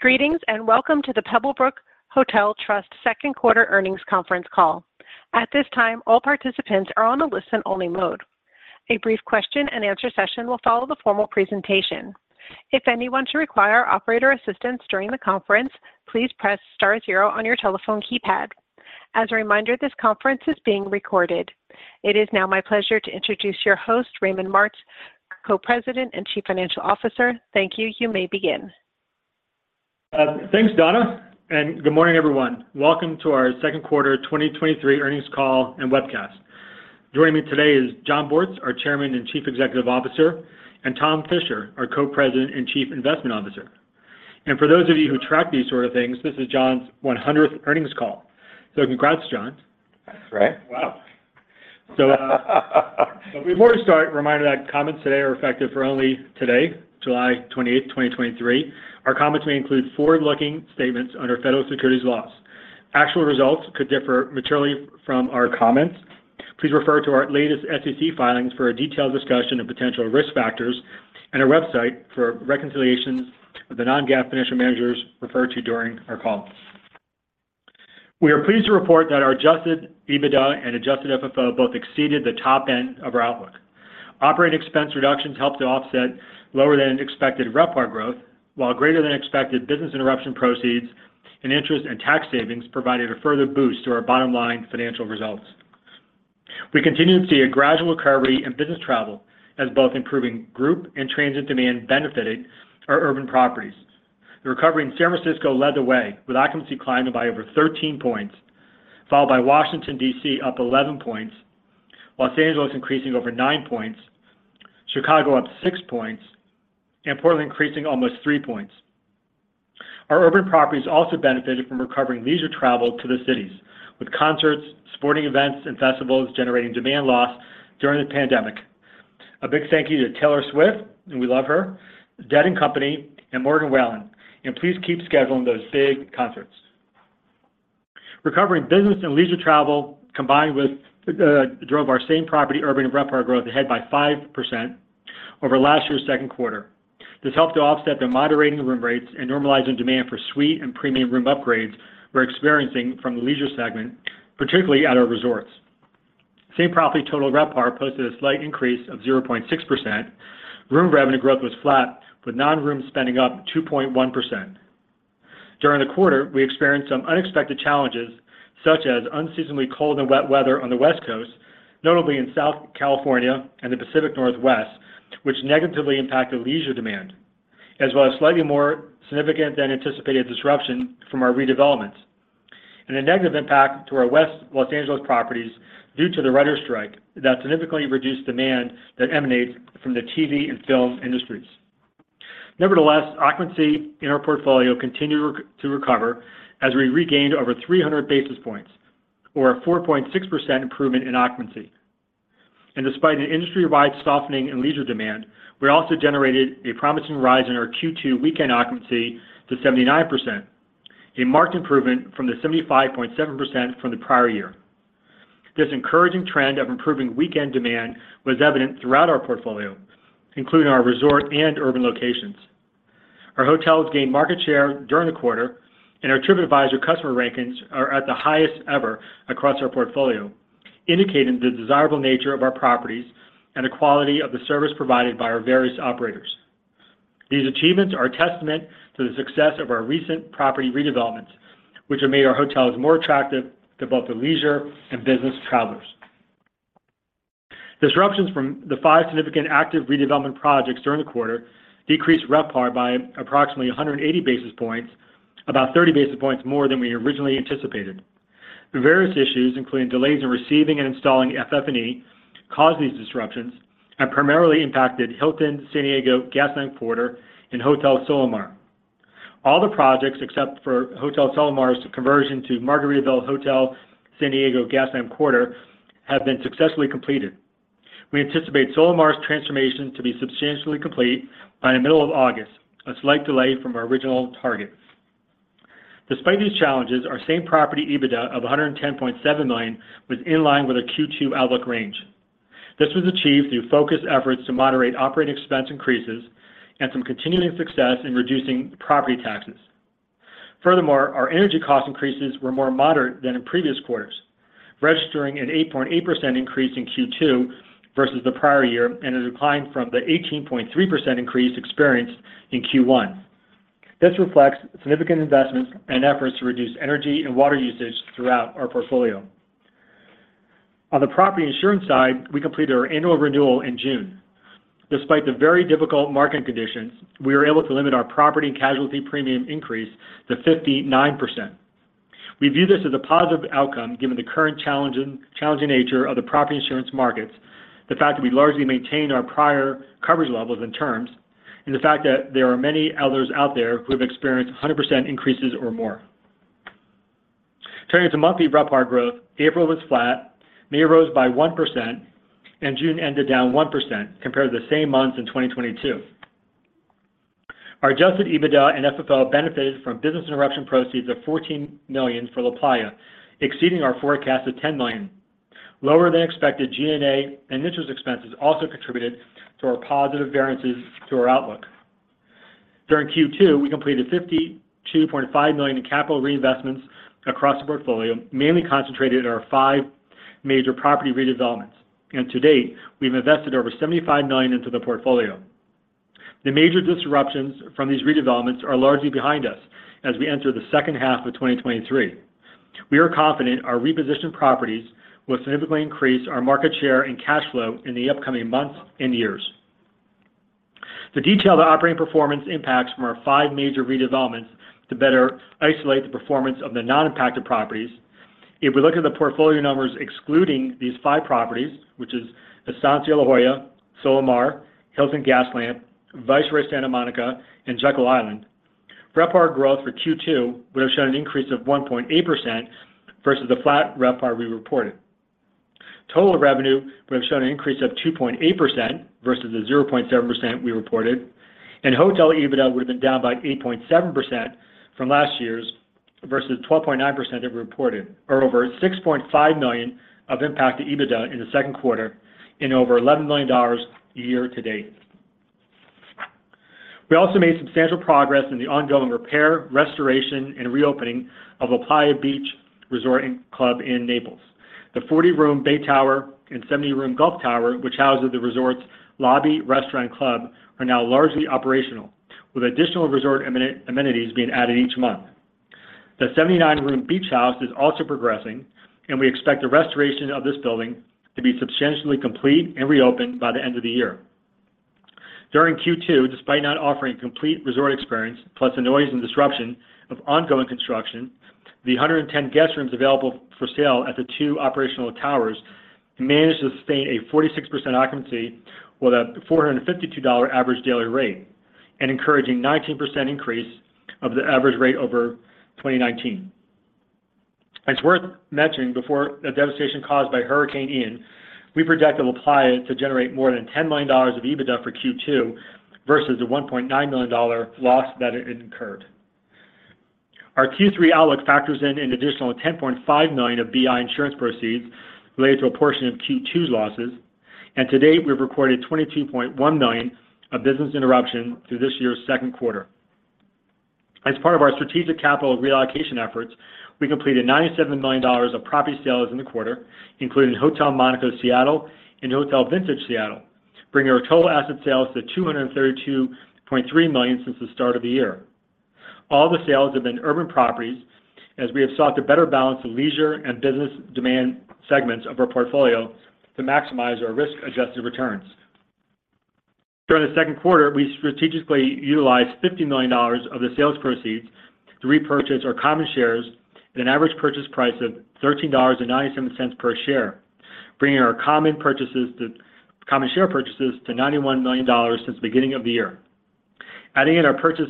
Greetings, welcome to the Pebblebrook Hotel Trust Second Quarter Earnings Conference Call. At this time, all participants are on a listen-only mode. A brief question-and-answer session will follow the formal presentation. If anyone should require operator assistance during the conference, please press star zero on your telephone keypad. As a reminder, this conference is being recorded. It is now my pleasure to introduce your host, Raymond Martz, Co-President and Chief Financial Officer. Thank you. You may begin. Thanks, Donna, good morning, everyone. Welcome to our second quarter 2023 earnings call and webcast. Joining me today is Jon Bortz, our Chairman and Chief Executive Officer, Tom Fisher, our Co-President and Chief Investment Officer. For those of you who track these sort of things, this is Jon's 100th earnings call. Congrats, Jon. That's right. Wow! Before we start, a reminder that comments today are effective for only today, July 28, 2023. Our comments may include forward-looking statements under federal securities laws. Actual results could differ materially from our comments. Please refer to our latest SEC filings for a detailed discussion of potential risk factors and our website for reconciliations of the non-GAAP financial measures referred to during our call. We are pleased to report that our adjusted EBITDA and adjusted FFO both exceeded the top end of our outlook. Operating expense reductions helped to offset lower-than-expected RevPAR growth, while greater-than-expected business interruption proceeds and interest and tax savings provided a further boost to our bottom line financial results. We continue to see a gradual recovery in business travel as both improving group and transient demand benefiting our urban properties. The recovery in San Francisco led the way, with occupancy climbing by over 13 points, followed by Washington, D.C., up 11 points, Los Angeles increasing over nine points, Chicago up six points, and Portland increasing almost three points. Our urban properties also benefited from recovering leisure travel to the cities, with concerts, sporting events, and festivals generating demand loss during the pandemic. A big thank you to Taylor Swift, and we love her, Dead & Company, and Morgan Wallen, and please keep scheduling those big concerts. Recovering business and leisure travel, combined with, drove our same-property urban and RevPAR growth ahead by 5% over last year's second quarter. This helped to offset the moderating room rates and normalizing demand for suite and premium room upgrades we're experiencing from the leisure segment, particularly at our resorts. Same-property total RevPAR posted a slight increase of 0.6%. Room revenue growth was flat, with non-room spending up 2.1%. During the quarter, we experienced some unexpected challenges, such as unseasonably cold and wet weather on the West Coast, notably in South California and the Pacific Northwest, which negatively impacted leisure demand, as well as slightly more significant than anticipated disruption from our redevelopments, and a negative impact to our West Los Angeles properties due to the writers' strike that significantly reduced demand that emanates from the TV and film industries. Nevertheless, occupancy in our portfolio continued to recover as we regained over 300 basis points or a 4.6% improvement in occupancy. Despite an industry-wide softening in leisure demand, we also generated a promising rise in our Q2 weekend occupancy to 79%, a marked improvement from the 75.7% from the prior year. This encouraging trend of improving weekend demand was evident throughout our portfolio, including our resort and urban locations. Our hotels gained market share during the quarter, and our TripAdvisor customer rankings are at the highest ever across our portfolio, indicating the desirable nature of our properties and the quality of the service provided by our various operators. These achievements are a testament to the success of our recent property redevelopments, which have made our hotels more attractive to both the leisure and business travelers. Disruptions from the five significant active redevelopment projects during the quarter decreased RevPAR by approximately 180 basis points, about 30 basis points more than we originally anticipated. The various issues, including delays in receiving and installing FF&E, caused these disruptions and primarily impacted Hilton San Diego Gaslamp Quarter and Hotel Solamar. All the projects, except for Hotel Solamar's conversion to Margaritaville Hotel San Diego Gaslamp Quarter, have been successfully completed. We anticipate Solamar's transformation to be substantially complete by the middle of August, a slight delay from our original target. Despite these challenges, our same-property EBITDA of $110.7 million was in line with our Q2 outlook range. This was achieved through focused efforts to moderate operating expense increases and some continuing success in reducing property taxes. Our energy cost increases were more moderate than in previous quarters, registering an 8.8% increase in Q2 versus the prior year and a decline from the 18.3% increase experienced in Q1. This reflects significant investments and efforts to reduce energy and water usage throughout our portfolio. On the property insurance side, we completed our annual renewal in June. Despite the very difficult market conditions, we were able to limit our property and casualty premium increase to 59%. We view this as a positive outcome, given the current challenging, challenging nature of the property insurance markets, the fact that we largely maintained our prior coverage levels and terms, and the fact that there are many others out there who have experienced 100% increases or more. Turning to monthly RevPAR growth, April was flat, May rose by 1%, and June ended down 1% compared to the same months in 2022. Our adjusted EBITDA and FFO benefited from business interruption proceeds of $14 million for LaPlaya, exceeding our forecast of $10 million. Lower than expected G&A and interest expenses also contributed to our positive variances to our outlook. During Q2, we completed $52.5 million in capital reinvestments across the portfolio, mainly concentrated in our five major property redevelopments. To date, we've invested over $75 million into the portfolio. The major disruptions from these redevelopments are largely behind us as we enter the second half of 2023. We are confident our repositioned properties will significantly increase our market share and cash flow in the upcoming months and years. To detail the operating performance impacts from our five major redevelopments to better isolate the performance of the non-impacted properties, if we look at the portfolio numbers excluding these five properties, which is Estancia La Jolla, Solamar, Hilton Gaslamp, Viceroy Santa Monica, and Jekyll Island, RevPAR growth for Q2 would have shown an increase of 1.8% versus the flat RevPAR we reported. Total revenue would have shown an increase of 2.8% versus the 0.7% we reported, and hotel EBITDA would have been down by 8.7% from last year's versus 12.9% it reported, or over $6.5 million of impact to EBITDA in the second quarter and over $11 million year-to-date. We also made substantial progress in the ongoing repair, restoration, and reopening of LaPlaya Beach Resort & Club in Naples. The 40-room Bay Tower and 70-room Gulf Tower, which houses the resort's lobby, restaurant, and club, are now largely operational, with additional resort amenities being added each month. The 79-room Beach House is also progressing, and we expect the restoration of this building to be substantially complete and reopened by the end of the year. During Q2, despite not offering a complete resort experience, plus the noise and disruption of ongoing construction, the 110 guest rooms available for sale at the two operational towers managed to sustain a 46% occupancy with a $452 average daily rate, an encouraging 19% increase of the average rate over 2019. It's worth mentioning, before the devastation caused by Hurricane Ian, we projected LaPlaya to generate more than $10 million of EBITDA for Q2 versus the $1.9 million loss that it incurred. Our Q3 outlook factors in an additional $10.5 million of BI insurance proceeds related to a portion of Q2's losses, and to date, we've recorded $22.1 million of business interruption through this year's second quarter. As part of our strategic capital reallocation efforts, we completed $97 million of property sales in the quarter, including Hotel Monaco Seattle and Hotel Vintage Seattle, bringing our total asset sales to $232.3 million since the start of the year. All the sales have been urban properties, as we have sought to better balance the leisure and business demand segments of our portfolio to maximize our risk-adjusted returns. During the second quarter, we strategically utilized $50 million of the sales proceeds to repurchase our common shares at an average purchase price of $13.97 per share, bringing our common share purchases to $91 million since the beginning of the year. Adding in our purchase,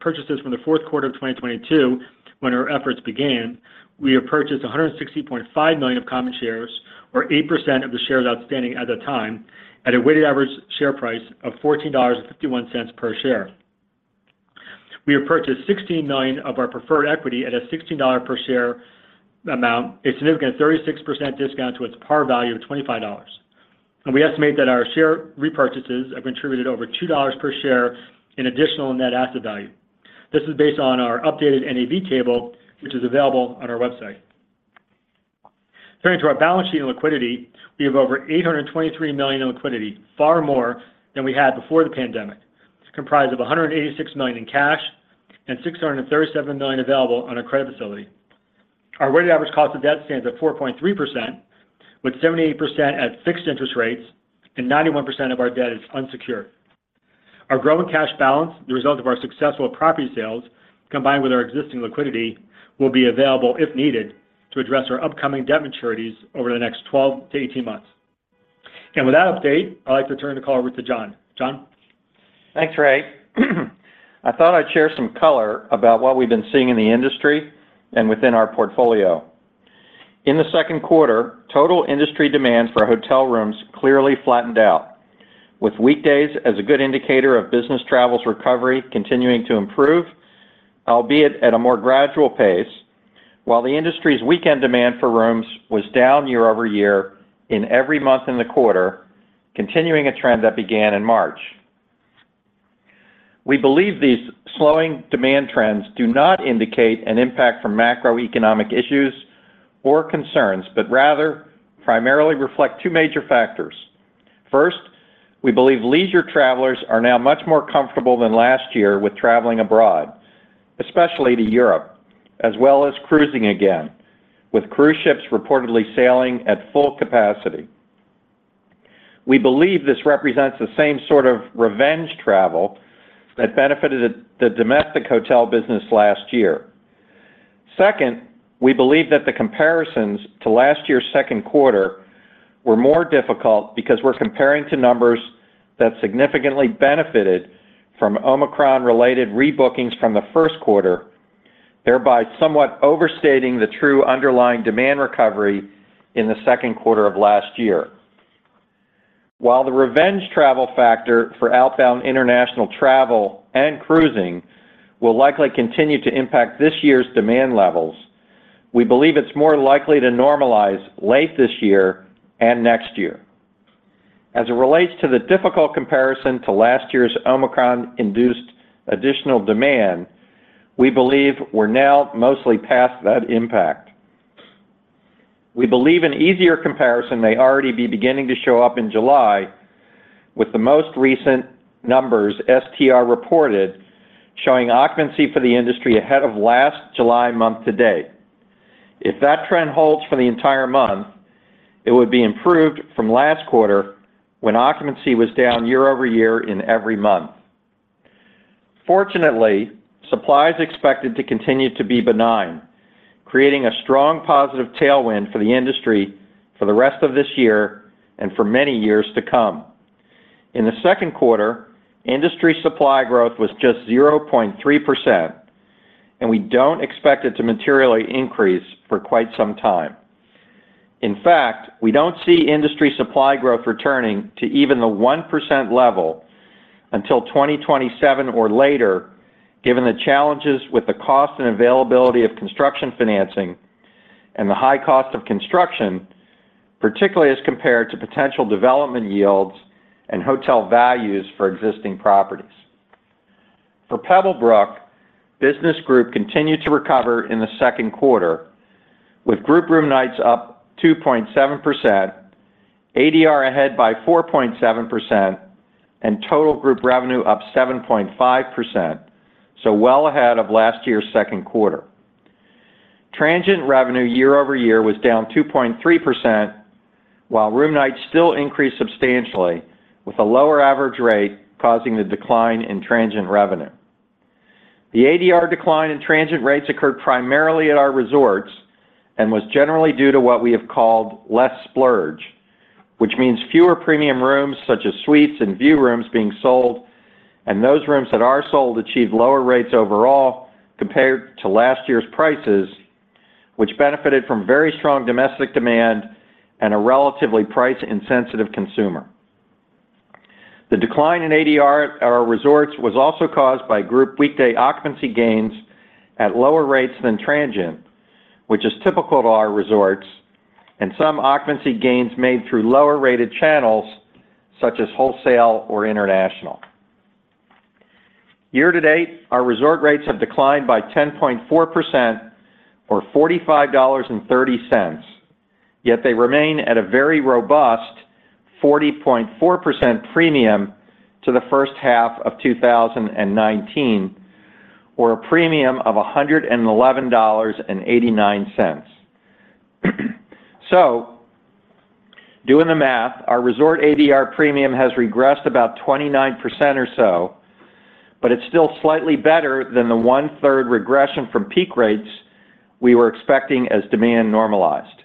purchases from the fourth quarter of 2022, when our efforts began, we have purchased 160.5 million of common shares, or 8% of the shares outstanding at the time, at a weighted average share price of $14.51 per share. We have purchased $16 million of our preferred equity at a $16 per share amount, a significant 36% discount to its par value of $25. We estimate that our share repurchases have contributed over $2 per share in additional net asset value. This is based on our updated NAV table, which is available on our website. Turning to our balance sheet and liquidity, we have over $823 million in liquidity, far more than we had before the pandemic. It's comprised of $186 million in cash and $637 million available on our credit facility. Our weighted average cost of debt stands at 4.3%, with 78% at fixed interest rates and 91% of our debt is unsecured. Our growing cash balance, the result of our successful property sales, combined with our existing liquidity, will be available if needed, to address our upcoming debt maturities over the next 12-18 months. With that update, I'd like to turn the call over to Jon. Jon? Thanks, Ray. I thought I'd share some color about what we've been seeing in the industry and within our portfolio. In the second quarter, total industry demand for hotel rooms clearly flattened out, with weekdays as a good indicator of business travel's recovery continuing to improve, albeit at a more gradual pace, while the industry's weekend demand for rooms was down year-over-year in every month in the quarter, continuing a trend that began in March. We believe these slowing demand trends do not indicate an impact from macroeconomic issues or concerns, but rather primarily reflect two major factors. First, we believe leisure travelers are now much more comfortable than last year with traveling abroad, especially to Europe, as well as cruising again, with cruise ships reportedly sailing at full capacity. We believe this represents the same sort of revenge travel that benefited the domestic hotel business last year. Second, we believe that the comparisons to last year's second quarter were more difficult because we're comparing to numbers that significantly benefited from Omicron-related rebookings from the first quarter, thereby somewhat overstating the true underlying demand recovery in the second quarter of last year.... While the revenge travel factor for outbound international travel and cruising will likely continue to impact this year's demand levels, we believe it's more likely to normalize late this year and next year. As it relates to the difficult comparison to last year's Omicron-induced additional demand, we believe we're now mostly past that impact. We believe an easier comparison may already be beginning to show up in July, with the most recent numbers STR reported showing occupancy for the industry ahead of last July month to date. If that trend holds for the entire month, it would be improved from last quarter, when occupancy was down year-over-year in every month. Fortunately, supply is expected to continue to be benign, creating a strong positive tailwind for the industry for the rest of this year and for many years to come. In the second quarter, industry supply growth was just 0.3%. We don't expect it to materially increase for quite some time. In fact, we don't see industry supply growth returning to even the 1% level until 2027 or later, given the challenges with the cost and availability of construction financing and the high cost of construction, particularly as compared to potential development yields and hotel values for existing properties. For Pebblebrook, Business Group continued to recover in the second quarter, with group room nights up 2.7%, ADR ahead by 4.7%, and total group revenue up 7.5%, well ahead of last year's second quarter. Transient revenue year-over-year was down 2.3%, while room nights still increased substantially, with a lower average rate causing the decline in transient revenue. The ADR decline in transient rates occurred primarily at our resorts and was generally due to what we have called less splurge, which means fewer premium rooms, such as suites and view rooms, being sold, and those rooms that are sold achieve lower rates overall compared to last year's prices, which benefited from very strong domestic demand and a relatively price-insensitive consumer. The decline in ADR at our resorts was also caused by group weekday occupancy gains at lower rates than transient, which is typical to our resorts, and some occupancy gains made through lower-rated channels, such as wholesale or international. Year-to-date, our resort rates have declined by 10.4%, or $45.30, yet they remain at a very robust 40.4% premium to the first half of 2019, or a premium of $111.89. Doing the math, our resort ADR premium has regressed about 29% or so, but it's still slightly better than the 1/3 regression from peak rates we were expecting as demand normalized.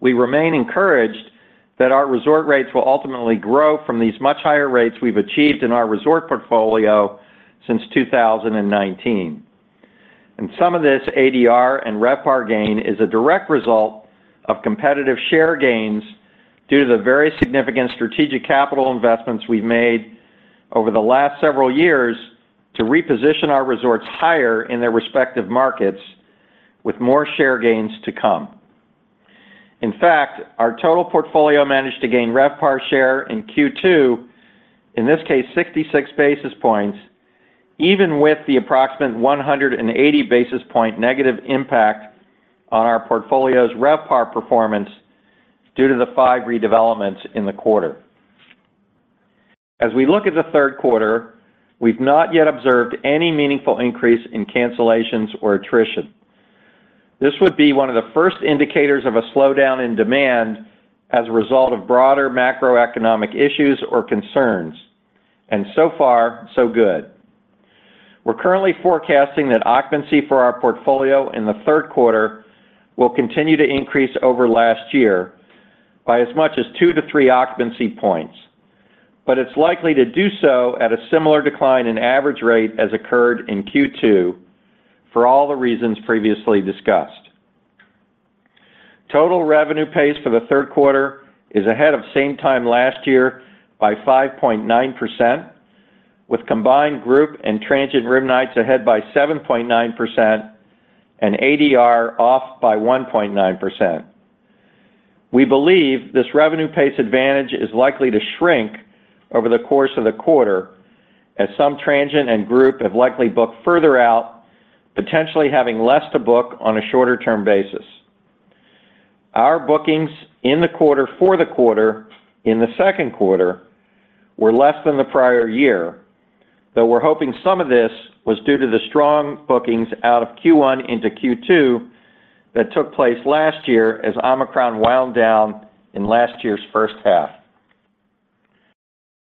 We remain encouraged that our resort rates will ultimately grow from these much higher rates we've achieved in our resort portfolio since 2019. Some of this ADR and RevPAR gain is a direct result of competitive share gains due to the very significant strategic capital investments we've made over the last several years to reposition our resorts higher in their respective markets, with more share gains to come. In fact, our total portfolio managed to gain RevPAR share in Q2, in this case, 66 basis points, even with the approximate 180 basis point negative impact on our portfolio's RevPAR performance due to the five redevelopments in the quarter. As we look at the third quarter, we've not yet observed any meaningful increase in cancellations or attrition. This would be one of the first indicators of a slowdown in demand as a result of broader macroeconomic issues or concerns, and so far, so good. We're currently forecasting that occupancy for our portfolio in the third quarter will continue to increase over last year by as much as two to three occupancy points, but it's likely to do so at a similar decline in average rate as occurred in Q2 for all the reasons previously discussed. Total revenue pace for the third quarter is ahead of same time last year by 5.9%, with combined group and transient room nights ahead by 7.9% and ADR off by 1.9%. We believe this revenue pace advantage is likely to shrink over the course of the quarter, as some transient and group have likely booked further out, potentially having less to book on a shorter-term basis. Our bookings for the second quarter were less than the prior year, though we're hoping some of this was due to the strong bookings out of Q1 into Q2 that took place last year as Omicron wound down in last year's first half.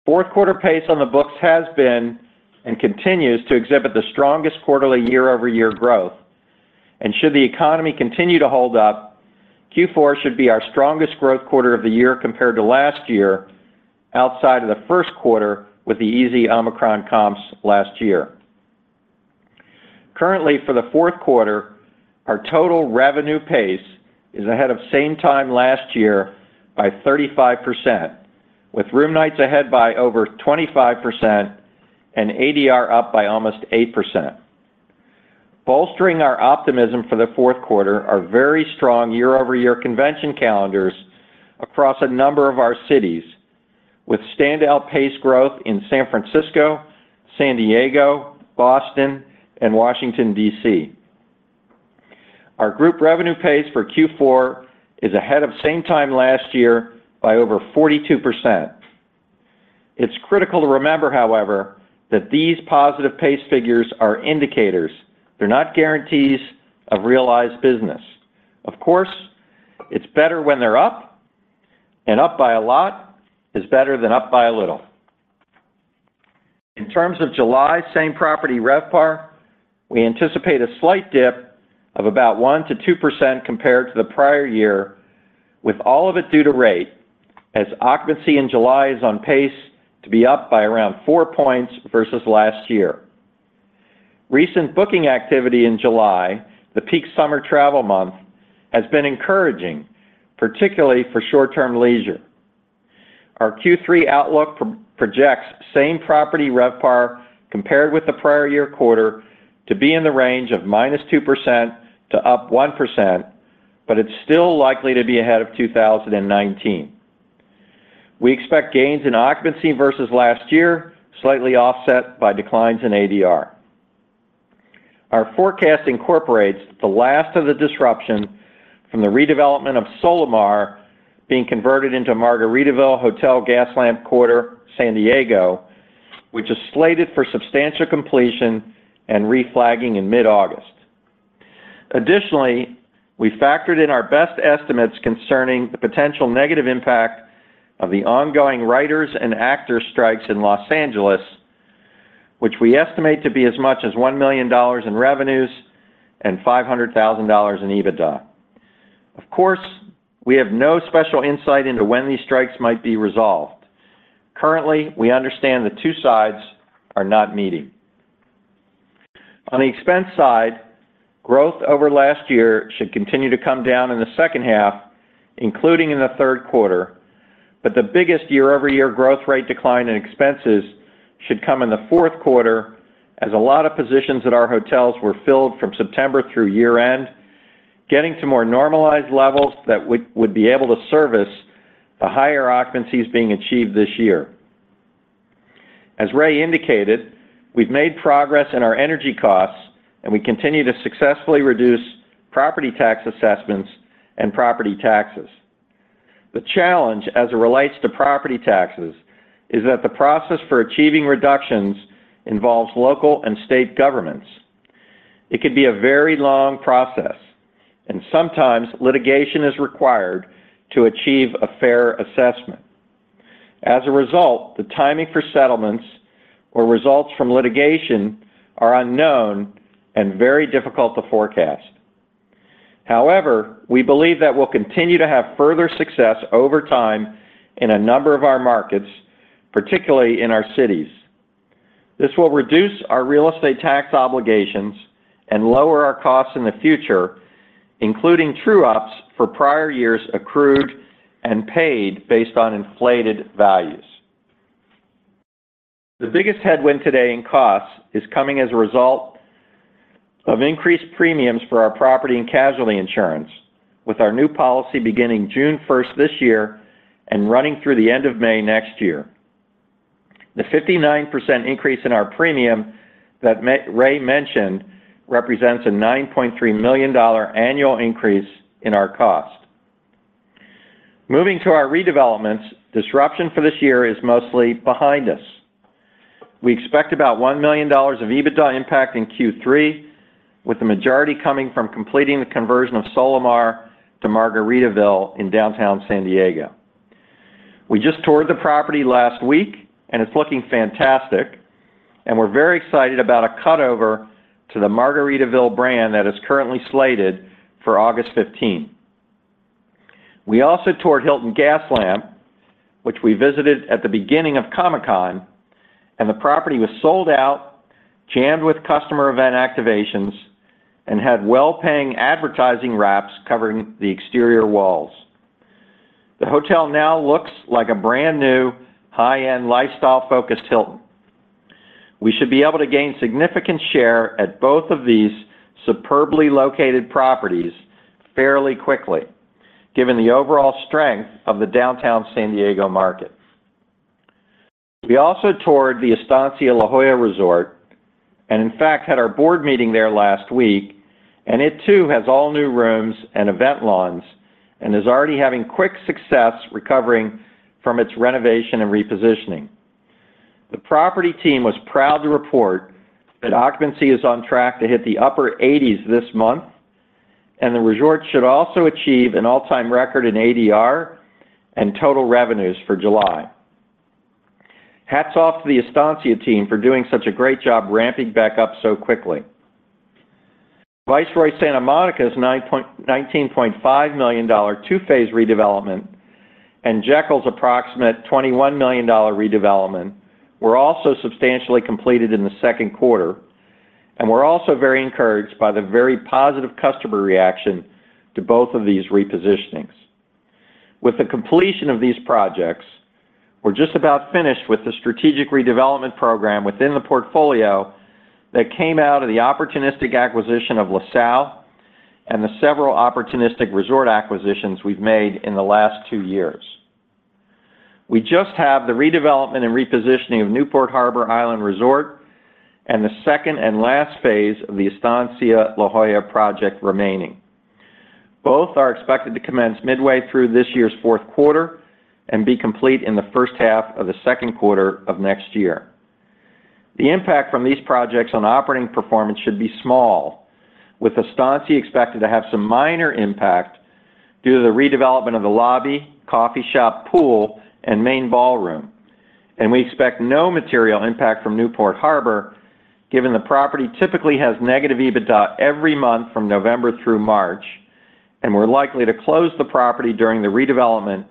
Fourth quarter pace on the books has been and continues to exhibit the strongest quarterly year-over-year growth. Should the economy continue to hold up, Q4 should be our strongest growth quarter of the year compared to last year, outside of the first quarter with the easy Omicron comps last year. Currently, for the fourth quarter, our total revenue pace is ahead of same time last year by 35%, with room nights ahead by over 25% and ADR up by almost 8%. Bolstering our optimism for the fourth quarter are very strong year-over-year convention calendars across a number of our cities, with standout pace growth in San Francisco, San Diego, Boston, and Washington, D.C. Our group revenue pace for Q4 is ahead of same time last year by over 42%. It's critical to remember, however, that these positive pace figures are indicators. They're not guarantees of realized business. Of course, it's better when they're up, and up by a lot is better than up by a little. In terms of July same-property RevPAR, we anticipate a slight dip of about 1%-2% compared to the prior year, with all of it due to rate, as occupancy in July is on pace to be up by around 4 points versus last year. Recent booking activity in July, the peak summer travel month, has been encouraging, particularly for short-term leisure. Our Q3 outlook projects same-property RevPAR compared with the prior year quarter to be in the range of -2% to up 1%. It's still likely to be ahead of 2019. We expect gains in occupancy versus last year, slightly offset by declines in ADR. Our forecast incorporates the last of the disruption from the redevelopment of Solamar being converted into Margaritaville Hotel Gaslamp Quarter San Diego, which is slated for substantial completion and reflagging in mid-August. Additionally, we factored in our best estimates concerning the potential negative impact of the ongoing writers and actors strikes in Los Angeles, which we estimate to be as much as $1 million in revenues and $500,000 in EBITDA. Of course, we have no special insight into when these strikes might be resolved. Currently, we understand the two sides are not meeting. On the expense side, growth over last year should continue to come down in the second half, including in the third quarter, but the biggest year-over-year growth rate decline in expenses should come in the fourth quarter, as a lot of positions at our hotels were filled from September through year-end, getting to more normalized levels that would be able to service the higher occupancies being achieved this year. As Ray indicated, we've made progress in our energy costs, and we continue to successfully reduce property tax assessments and property taxes. The challenge as it relates to property taxes is that the process for achieving reductions involves local and state governments. It could be a very long process, and sometimes litigation is required to achieve a fair assessment. As a result, the timing for settlements or results from litigation are unknown and very difficult to forecast. However, we believe that we'll continue to have further success over time in a number of our markets, particularly in our cities. This will reduce our real estate tax obligations and lower our costs in the future, including true-ups for prior years accrued and paid based on inflated values. The biggest headwind today in costs is coming as a result of increased premiums for our property and casualty insurance, with our new policy beginning June 1st this year and running through the end of May next year. The 59% increase in our premium that Ray mentioned represents a $9.3 million annual increase in our cost. Moving to our redevelopments, disruption for this year is mostly behind us. We expect about $1 million of EBITDA impact in Q3, with the majority coming from completing the conversion of Solamar to Margaritaville in downtown San Diego. We just toured the property last week, and it's looking fantastic, and we're very excited about a cutover to the Margaritaville brand that is currently slated for August 15. We also toured Hilton San Diego Gaslamp Quarter, which we visited at the beginning of Comic-Con, and the property was sold out, jammed with customer event activations, and had well-paying advertising wraps covering the exterior walls. The hotel now looks like a brand-new, high-end, lifestyle-focused Hilton. We should be able to gain significant share at both of these superbly located properties fairly quickly, given the overall strength of the downtown San Diego market. We also toured the Estancia La Jolla Resort, and in fact, had our board meeting there last week, and it, too, has all-new rooms and event lawns and is already having quick success recovering from its renovation and repositioning. The property team was proud to report that occupancy is on track to hit the upper 80s this month, and the resort should also achieve an all-time record in ADR and total revenues for July. Hats off to the Estancia team for doing such a great job ramping back up so quickly. Viceroy Santa Monica's $19.5 million two-phase redevelopment and Jekyll's approximate $21 million redevelopment were also substantially completed in the second quarter, and we're also very encouraged by the very positive customer reaction to both of these repositionings. With the completion of these projects, we're just about finished with the strategic redevelopment program within the portfolio that came out of the opportunistic acquisition of LaSalle and the several opportunistic resort acquisitions we've made in the last two years. We just have the redevelopment and repositioning of Newport Harbor Island Resort and the second and last phase of the Estancia La Jolla project remaining. Both are expected to commence midway through this year's fourth quarter and be complete in the first half of the second quarter of next year. The impact from these projects on operating performance should be small, with Estancia expected to have some minor impact due to the redevelopment of the lobby, coffee shop, pool, and main ballroom. We expect no material impact from Newport Harbor, given the property typically has negative EBITDA every month from November through March, and we're likely to close the property during the redevelopment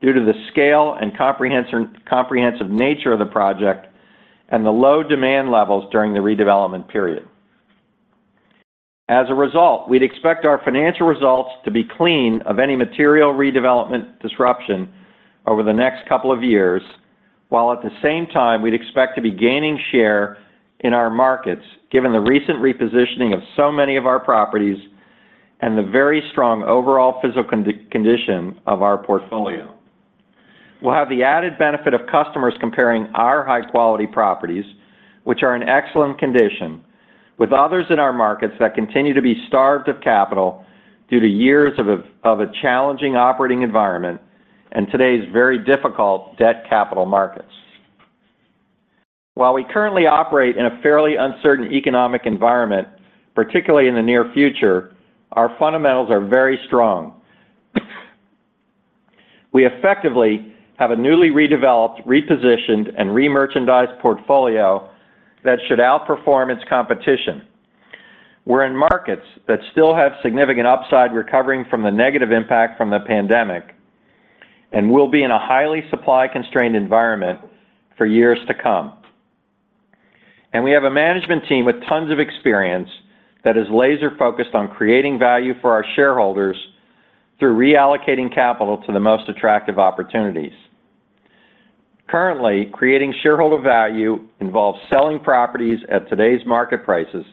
due to the scale and comprehensive nature of the project and the low demand levels during the redevelopment period. As a result, we'd expect our financial results to be clean of any material redevelopment disruption over the next couple of years, while at the same time, we'd expect to be gaining share in our markets, given the recent repositioning of so many of our properties and the very strong overall physical condition of our portfolio. We'll have the added benefit of customers comparing our high-quality properties, which are in excellent condition, with others in our markets that continue to be starved of capital due to years of a challenging operating environment and today's very difficult debt capital markets. While we currently operate in a fairly uncertain economic environment, particularly in the near future, our fundamentals are very strong. We effectively have a newly redeveloped, repositioned, and remerchandised portfolio that should outperform its competition. We're in markets that still have significant upside, recovering from the negative impact from the pandemic, and we'll be in a highly supply-constrained environment for years to come. We have a management team with tons of experience that is laser-focused on creating value for our shareholders through reallocating capital to the most attractive opportunities. Currently, creating shareholder value involves selling properties at today's market prices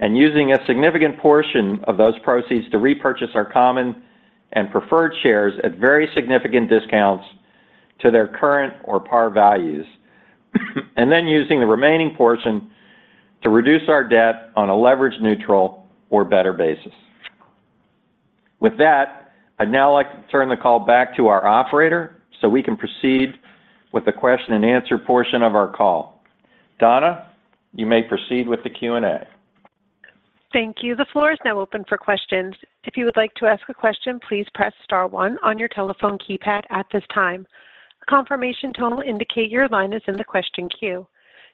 and using a significant portion of those proceeds to repurchase our common and preferred shares at very significant discounts to their current or par values, and then using the remaining portion to reduce our debt on a leverage neutral or better basis. With that, I'd now like to turn the call back to our operator, so we can proceed with the question-and-answer portion of our call. Donna, you may proceed with the Q&A. Thank you. The floor is now open for questions. If you would like to ask a question, please press star one on your telephone keypad at this time. A confirmation tone will indicate your line is in the question queue.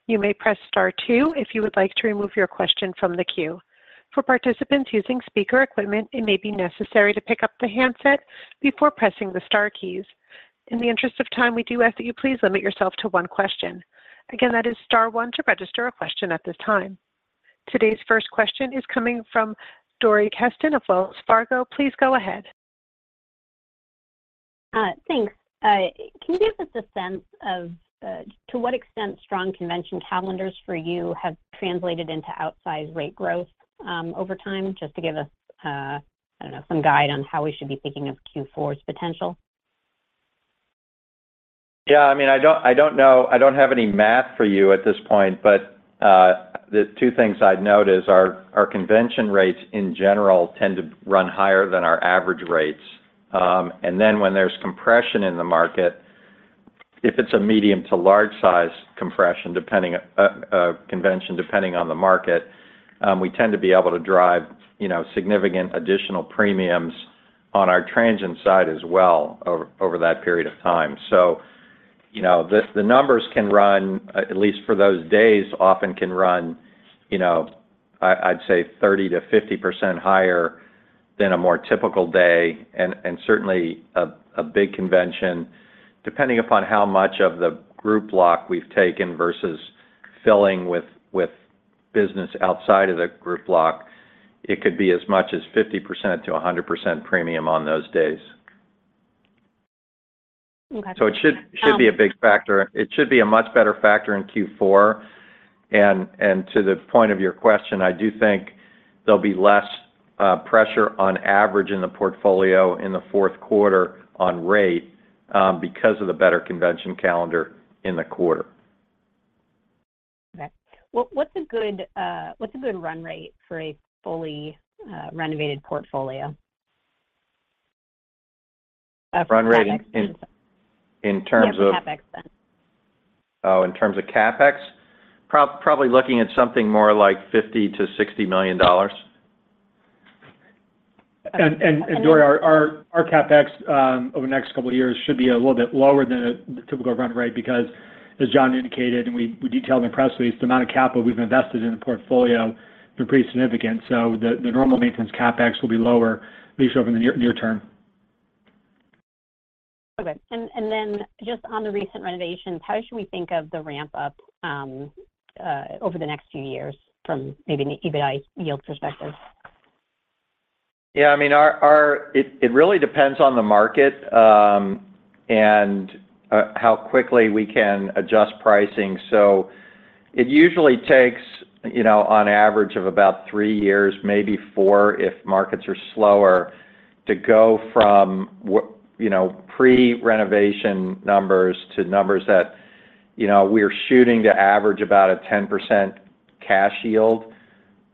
You may press star two if you would like to remove your question from the queue. For participants using speaker equipment, it may be necessary to pick up the handset before pressing the star keys. In the interest of time, we do ask that you please limit yourself to one question. Again, that is star one to register a question at this time. Today's first question is coming from Dori Kesten of Wells Fargo. Please go ahead. Thanks. Can you give us a sense of to what extent strong convention calendars for you have translated into outsized rate growth over time? Just to give us, I don't know, some guide on how we should be thinking of Q4's potential? Yeah, I mean, I don't, I don't know, I don't have any math for you at this point, but the two things I'd note is our, our convention rates, in general, tend to run higher than our average rates. Then when there's compression in the market, if it's a medium to large-sized compression, depending, convention, depending on the market, we tend to be able to drive, you know, significant additional premiums on our transient side as well, over, over that period of time. You know, the numbers can run, at least for those days, often can run, you know, I'd say 30%-50% higher than a more typical day, and certainly a big convention, depending upon how much of the group block we've taken versus filling with, with business outside of the group block, it could be as much as 50%-100% premium on those days. Okay. It should be a big factor. It should be a much better factor in Q4. To the point of your question, I do think there'll be less pressure on average in the portfolio in the fourth quarter on rate, because of the better convention calendar in the quarter. Okay. What, what's a good, what's a good run rate for a fully, renovated portfolio? A run rate CapEx in terms of? Yeah, CapEx then. Oh, in terms of CapEx? Probably looking at something more like $50 million-$60 million. Dory, our CapEx over the next couple of years should be a little bit lower than the typical run rate, because as Jon indicated, and we detailed in the press release, the amount of capital we've invested in the portfolio has been pretty significant. The normal maintenance CapEx will be lower, at least over the near, near term. Okay. Then just on the recent renovations, how should we think of the ramp up, over the next few years from maybe an EBITDA yield perspective? Yeah, I mean, our, our it, it really depends on the market, and how quickly we can adjust pricing. It usually takes, you know, on average of about three years, maybe four, if markets are slower, to go from. You know, pre-renovation numbers to numbers that, you know, we're shooting to average about a 10% cash yield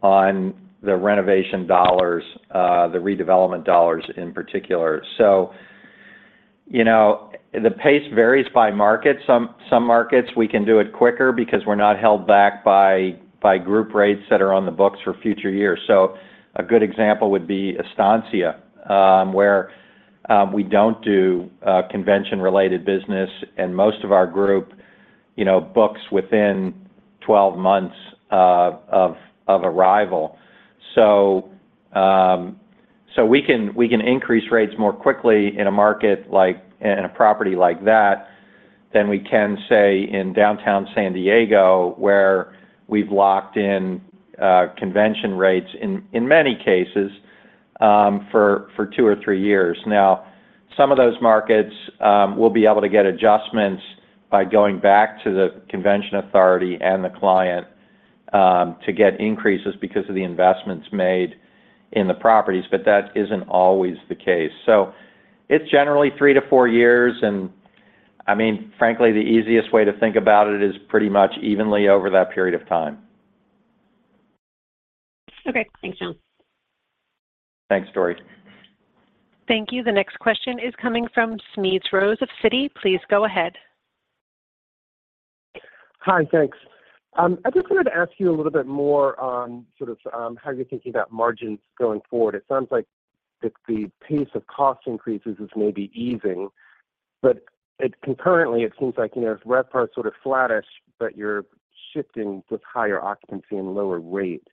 on the renovation dollars, the redevelopment dollars in particular. The pace varies by market. Some, some markets, we can do it quicker because we're not held back by, by group rates that are on the books for future years. A good example would be Estancia, where we don't do convention-related business, and most of our group, you know, books within 12 months of arrival. We can, we can increase rates more quickly in a property like that than we can, say, in downtown San Diego, where we've locked in convention rates in many cases for two or three years. Some of those markets, we'll be able to get adjustments by going back to the convention authority and the client to get increases because of the investments made in the properties, but that isn't always the case. It's generally three-four years, and I mean, frankly, the easiest way to think about it is pretty much evenly over that period of time. Okay. Thanks, Jon. Thanks, Dory. Thank you. The next question is coming from Smedes Rose of Citi. Please go ahead. Hi, thanks. I just wanted to ask you a little bit more on sort of, how you're thinking about margins going forward. It sounds like that the pace of cost increases is maybe easing, but it concurrently, it seems like, you know, RevPAR is sort of flattish, but you're shifting with higher occupancy and lower rate.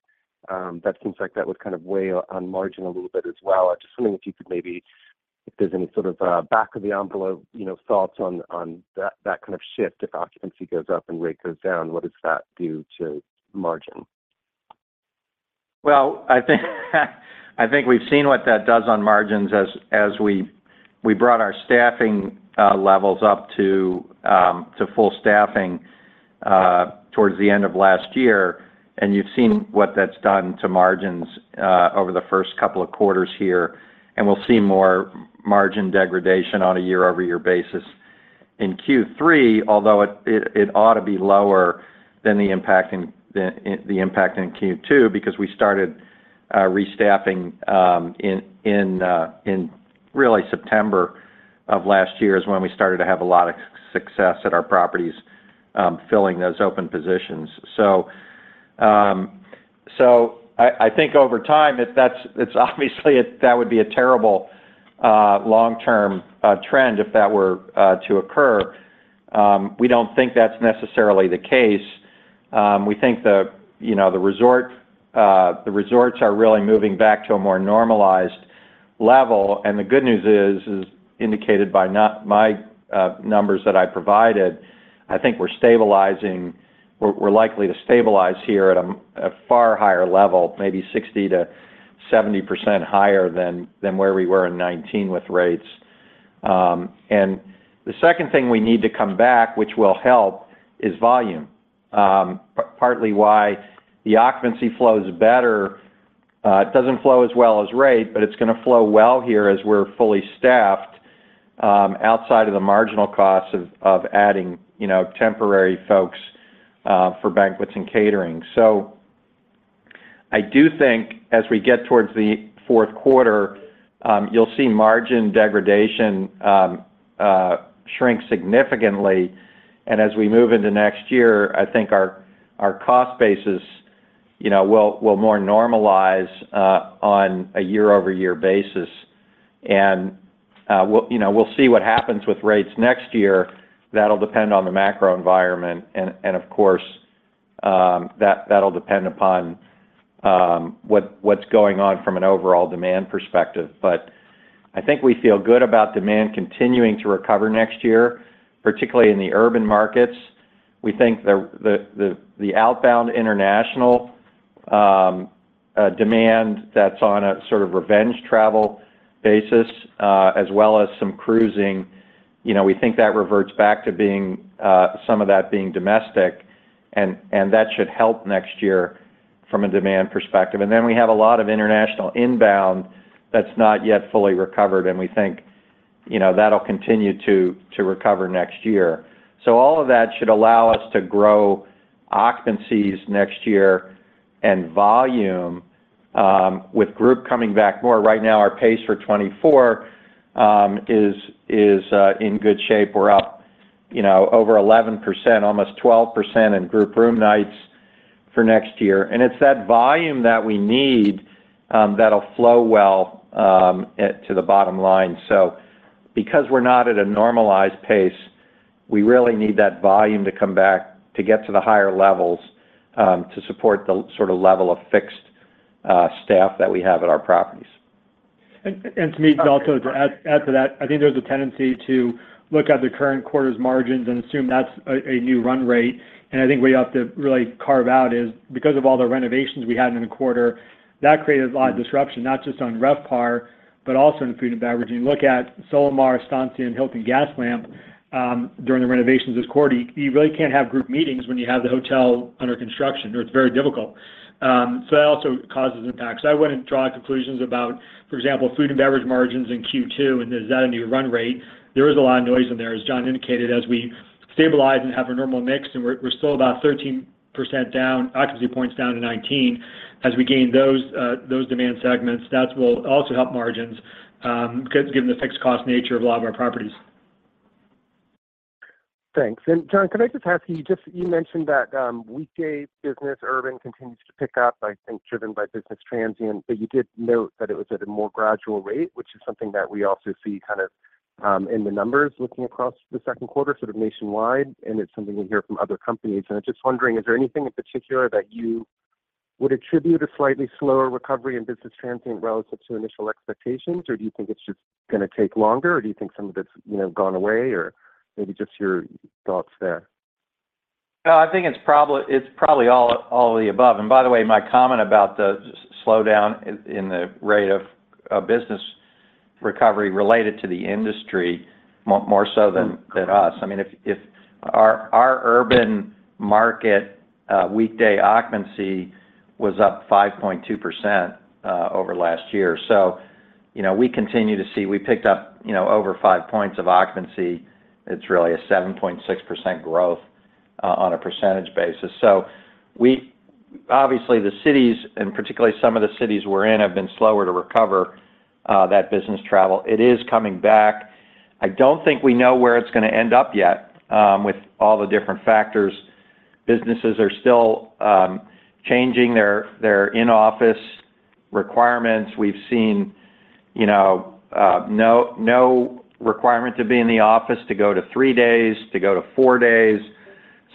That seems like that would kind of weigh on margin a little bit as well. I'm just wondering if you could maybe, if there's any sort of, back-of-the-envelope, you know, thoughts on, on that, that kind of shift, if occupancy goes up and rate goes down, what does that do to margin? I think, I think we've seen what that does on margins as, as we, we brought our staffing levels up to full staffing towards the end of last year. You've seen what that's done to margins over the first two quarters here. We'll see more margin degradation on a year-over-year basis. In Q3, although it, it, it ought to be lower than the impact in Q2, because we started restaffing in, in really September of last year is when we started to have a lot of success at our properties filling those open positions. I, I think over time, if that's... It's obviously, that would be a terrible long-term trend if that were to occur. We don't think that's necessarily the case. We think the, you know, the resorts are really moving back to a more normalized level. The good news is, is indicated by my numbers that I provided, I think we're stabilizing, we're, we're likely to stabilize here at a far higher level, maybe 60%-70% higher than where we were in 2019 with rates. The second thing we need to come back, which will help, is volume. Partly why the occupancy flows better, it doesn't flow as well as rate, but it's going to flow well here as we're fully staffed, outside of the marginal costs of adding, you know, temporary folks for banquets and catering. I do think as we get towards the fourth quarter, you'll see margin degradation shrink significantly. As we move into next year, I think our, our cost basis, you know, will, will more normalize on a year-over-year basis. We'll, you know, we'll see what happens with rates next year. That'll depend on the macro environment and, and of course, that, that'll depend upon what, what's going on from an overall demand perspective. I think we feel good about demand continuing to recover next year, particularly in the urban markets. We think the, the, the, the outbound international demand that's on a sort of revenge travel basis, as well as some cruising, you know, we think that reverts back to being some of that being domestic, and, and that should help next year from a demand perspective. Then we have a lot of international inbound that's not yet fully recovered, and we think, you know, that'll continue to recover next year. All of that should allow us to grow occupancies next year and volume, with group coming back more. Right now, our pace for 2024 is in good shape. We're up, you know, over 11%, almost 12% in group room nights for next year, and it's that volume that we need that'll flow well to the bottom line. Because we're not at a normalized pace, we really need that volume to come back to get to the higher levels to support the sort of level of fixed staff that we have at our properties. To me, also, to add to that, I think there's a tendency to look at the current quarter's margins and assume that's a new run rate. I think we have to really carve out is because of all the renovations we had in the quarter, that created a lot of disruption, not just on RevPAR, but also in food and beverage. If you look at Solamar, Estancia, and Hilton Gaslamp during the renovations this quarter, you really can't have group meetings when you have the hotel under construction, or it's very difficult. So that also causes impacts. I wouldn't draw conclusions about, for example, food and beverage margins in Q2, and is that a new run rate? There is a lot of noise in there, as Jon indicated, as we stabilize and have a normal mix, and we're, we're still about 13% down, occupancy points down to [2019] As we gain those, those demand segments, that will also help margins, given the fixed cost nature of a lot of our properties. Thanks. Jon, could I just ask you, You mentioned that weekday business, urban continues to pick up, I think, driven by business transient, but you did note that it was at a more gradual rate, which is something that we also see kind of in the numbers, looking across the second quarter, sort of nationwide, and it's something we hear from other companies. I'm just wondering, is there anything in particular that you would attribute a slightly slower recovery in business transient relative to initial expectations, or do you think it's just going to take longer, or do you think some of it's, you know, gone away, or maybe just your thoughts there? No, I think it's probably, it's probably all, all of the above. By the way, my comment about the slowdown in, in the rate of, of business recovery related to the industry more, more so than, than us. I mean, if, if our, our urban market, weekday occupancy was up 5.2%, over last year. You know, we continue to see-- We picked up, you know, over five points of occupancy. It's really a 7.6% growth on a percentage basis. Obviously, the cities, and particularly some of the cities we're in, have been slower to recover, that business travel. It is coming back. I don't think we know where it's going to end up yet, with all the different factors. Businesses are still changing their, their in-office requirements. We've seen, you know, no, no requirement to be in the office, to go to three days, to go to four days,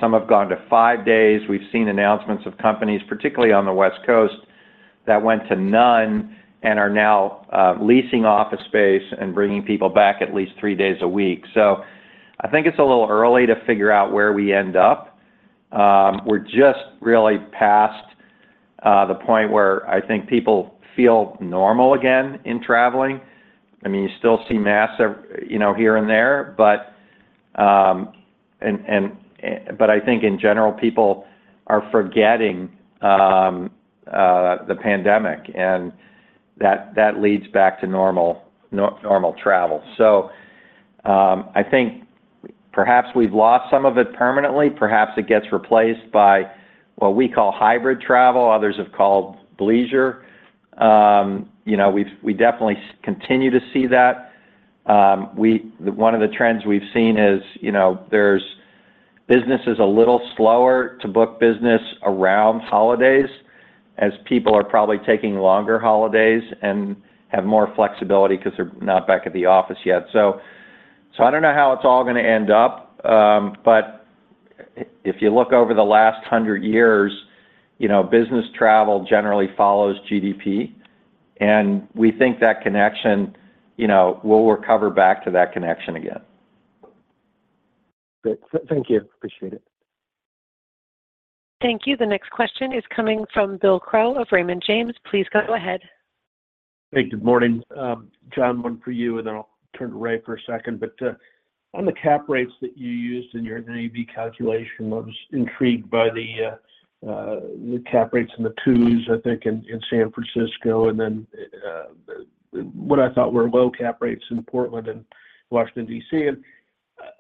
some have gone to five days. We've seen announcements of companies, particularly on the West Coast, that went to none and are now leasing office space and bringing people back at least three days a week. I think it's a little early to figure out where we end up. We're just really past the point where I think people feel normal again in traveling. I mean, you still see masks every, you know, here and there, but. I think in general, people are forgetting the pandemic, and that, that leads back to normal, normal travel. I think perhaps we've lost some of it permanently. Perhaps it gets replaced by what we call hybrid travel, others have called bleisure. you know, we've- we definitely continue to see that. we- one of the trends we've seen is, you know, there's. Business is a little slower to book business around holidays, as people are probably taking longer holidays and have more flexibility because they're not back at the office yet. I don't know how it's all going to end up, but I- if you look over the last 100 years, you know, business travel generally follows GDP, and we think that connection, you know, we'll recover back to that connection again. Great. Thank you. Appreciate it. Thank you. The next question is coming from Bill Crow of Raymond James. Please go ahead. Hey, good morning. Jon, one for you, then I'll turn to Ray for a second. On the cap rates that you used in your NAV calculation, I was intrigued by the cap rates in the twos, I think, in San Francisco, then what I thought were low cap rates in Portland and Washington, D.C.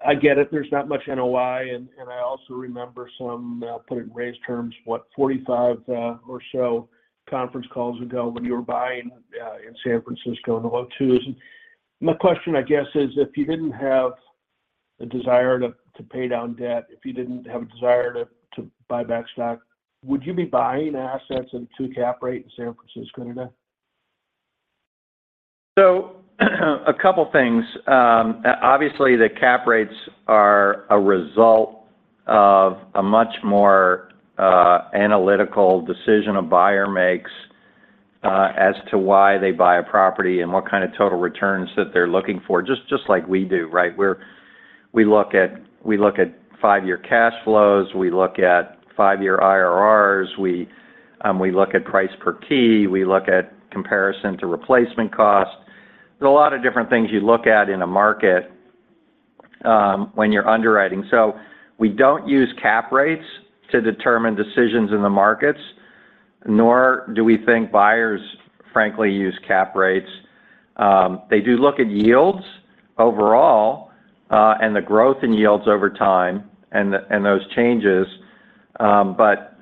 I get it, there's not much NOI, and I also remember some, put in Ray's terms, what, 45 or so conference calls ago when you were buying in San Francisco in the low twos. My question, I guess, is: If you didn't have a desire to pay down debt, if you didn't have a desire to buy back stock, would you be buying assets at a two cap rate in San Francisco today? A couple things. Obviously, the cap rates are a result of a much more analytical decision a buyer makes as to why they buy a property and what kind of total returns that they're looking for, just, just like we do, right? We look at, we look at five-year cash flows, we look at five-year IRRs, we look at price per key, we look at comparison to replacement cost. There's a lot of different things you look at in a market when you're underwriting. We don't use cap rates to determine decisions in the markets, nor do we think buyers, frankly, use cap rates. They do look at yields overall, and the growth in yields over time and those changes, but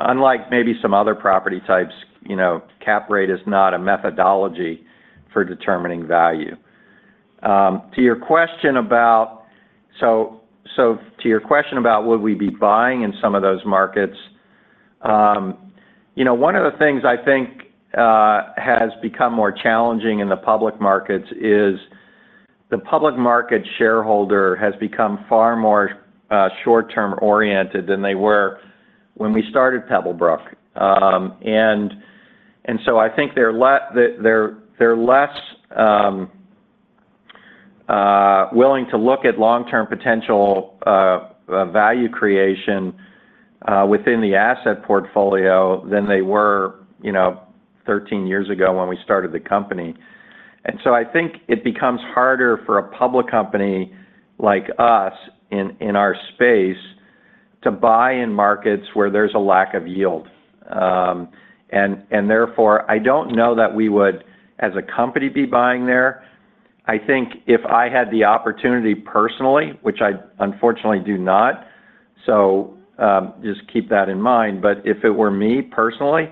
unlike maybe some other property types, you know, cap rate is not a methodology for determining value. To your question about would we be buying in some of those markets, you know, one of the things I think has become more challenging in the public markets is the public market shareholder has become far more short-term oriented than they were when we started Pebblebrook. I think they're less willing to look at long-term potential value creation within the asset portfolio than they were, you know, 13 years ago when we started the company. I think it becomes harder for a public company like us in, in our space, to buy in markets where there's a lack of yield. Therefore, I don't know that we would, as a company, be buying there. I think if I had the opportunity personally, which I unfortunately do not, so, just keep that in mind. If it were me personally,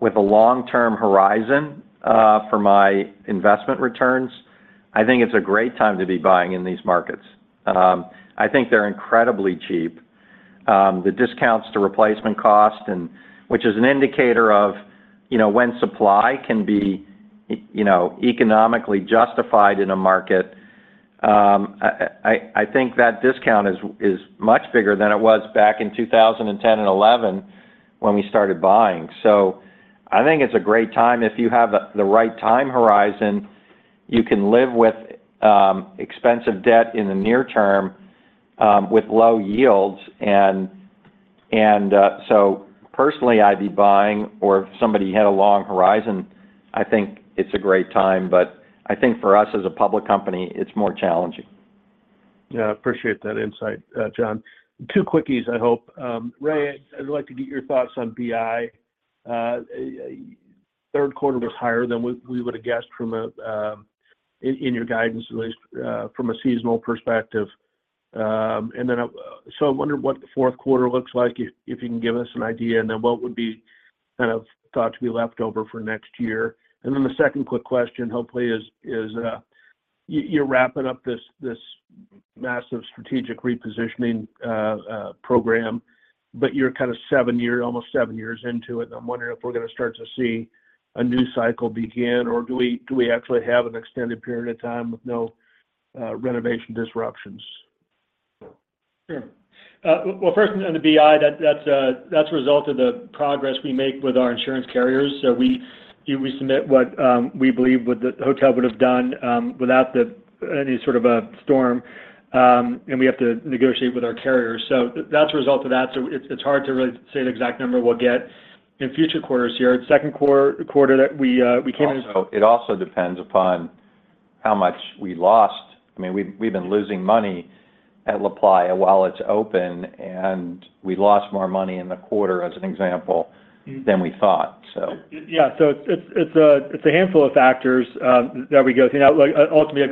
with a long-term horizon, for my investment returns, I think it's a great time to be buying in these markets. I think they're incredibly cheap. The discounts to replacement cost, and which is an indicator of, you know, when supply can be, you know, economically justified in a market, I, I, I think that discount is, is much bigger than it was back in 2010 and 2011 when we started buying. I think it's a great time. If you have the right time horizon, you can live with, expensive debt in the near term, with low yields. Personally, I'd be buying, or if somebody had a long horizon, I think it's a great time. I think for us as a public company, it's more challenging. Yeah, I appreciate that insight, Jon. Two quickies, I hope. Ray, I'd like to get your thoughts on BI. third quarter was higher than we, we would have guessed from a... In, in your guidance, at least, from a seasonal perspective. I'm wondering what the fourth quarter looks like, if, if you can give us an idea, and then what would be kind of thought to be left over for next year? The second quick question, hopefully, is, is, you, you're wrapping up this, this massive strategic repositioning program, but you're kind of seven years, almost seven years into it. I'm wondering if we're going to start to see a new cycle begin, or do we, do we actually have an extended period of time with no renovation disruptions? Sure. Well, first, on the BI, that's, that's a result of the progress we make with our insurance carriers. We, we submit what we believe what the hotel would have done without any sort of a storm, and we have to negotiate with our carriers. That's a result of that. It's, it's hard to really say the exact number we'll get in future quarters here. Second quarter that we came in. It also depends upon how much we lost. I mean, we've been losing money at LaPlaya while it's open, and we lost more money in the quarter, as an example, than we thought, so. Yeah, it's, it's a handful of factors that we go through. Ultimately,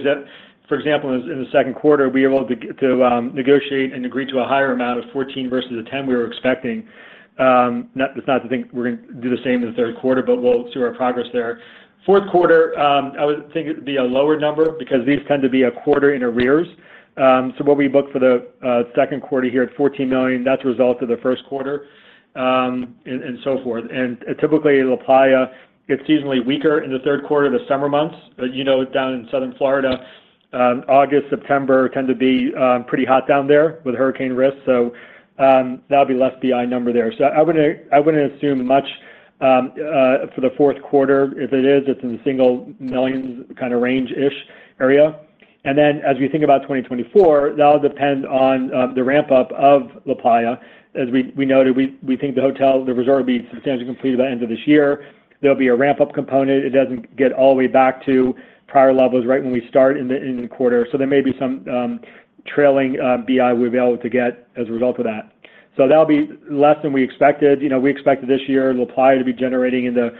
for example, in the second quarter, we were able to get to negotiate and agree to a higher amount of $14 million versus the $10 million we were expecting. That's not to think we're going to do the same in the third quarter, we'll see our progress there. Fourth quarter, I would think it would be a lower number because these tend to be a quarter in arrears. What we booked for the second quarter here at $14 million, that's a result of the first quarter, and so forth. Typically, LaPlaya gets seasonally weaker in the third quarter, the summer months. You know, down in southern Florida, August, September tend to be pretty hot down there with hurricane risks, so that'll be less BI number there. I wouldn't, I wouldn't assume much for the fourth quarter. If it is, it's in the single millions kind of range-ish area. Then, as we think about 2024, that'll depend on the ramp-up of LaPlaya. As we noted, we think the hotel, the resort, will be substantially completed by end of this year. There'll be a ramp-up component. It doesn't get all the way back to prior levels right when we start in the quarter, so there may be some trailing BI we'll be able to get as a result of that. That'll be less than we expected. You know, we expected this year, LaPlaya to be generating in the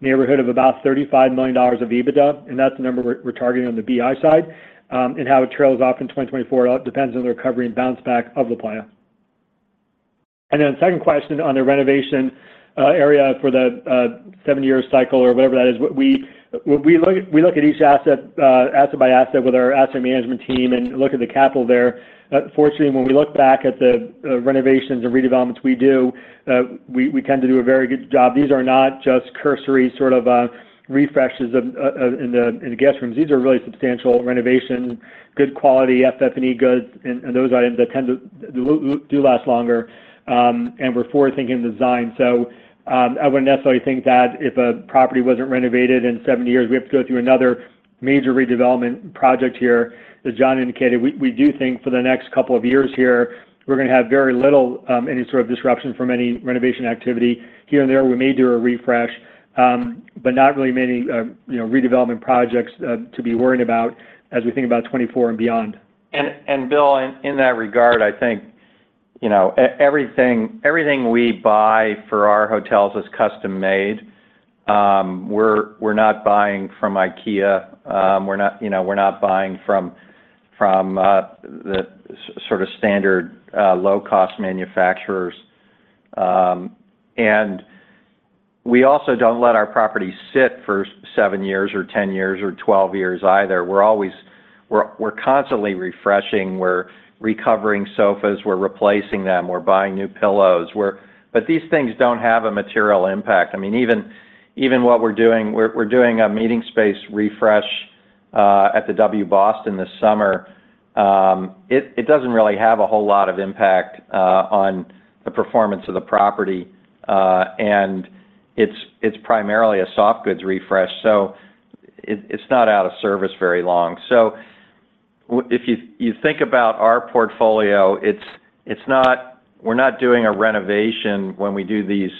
neighborhood of about $35 million of EBITDA. That's the number we're, we're targeting on the BI side. How it trails off in 2024, depends on the recovery and bounce back of LaPlaya. Second question on the renovation area for the seven-year cycle or whatever that is. We, we look, we look at each asset, asset by asset with our asset management team and look at the capital there. Fortunately, when we look back at the renovations and redevelopments we do, we, we tend to do a very good job. These are not just cursory, sort of, refreshes of in the, in the guest rooms. These are really substantial renovations, good quality FF&E goods, and those items that tend to do, do last longer, and we're forward-thinking in design. I wouldn't necessarily think that if a property wasn't renovated in seven years, we have to go through another major redevelopment project here. As Jon indicated, we, we do think for the next couple of years here, we're going to have very little, any sort of disruption from any renovation activity. Here and there, we may do a refresh, but not really many, you know, redevelopment projects, to be worried about as we think about 2024 and beyond. Bill, in that regard, I think, you know, everything, everything we buy for our hotels is custom-made. We're, we're not buying from IKEA, we're not, you know, we're not buying from, from, the sort of standard, low-cost manufacturers. We also don't let our property sit for seven years or 10 years or 12 years either. We're, we're constantly refreshing, we're recovering sofas, we're replacing them, we're buying new pillows, we're. These things don't have a material impact. I mean, even, even what we're doing, we're, we're doing a meeting space refresh at the W Boston this summer. It, it doesn't really have a whole lot of impact on the performance of the property, and it's, it's primarily a soft goods refresh, so it, it's not out of service very long. If you, you think about our portfolio, we're not doing a renovation when we do these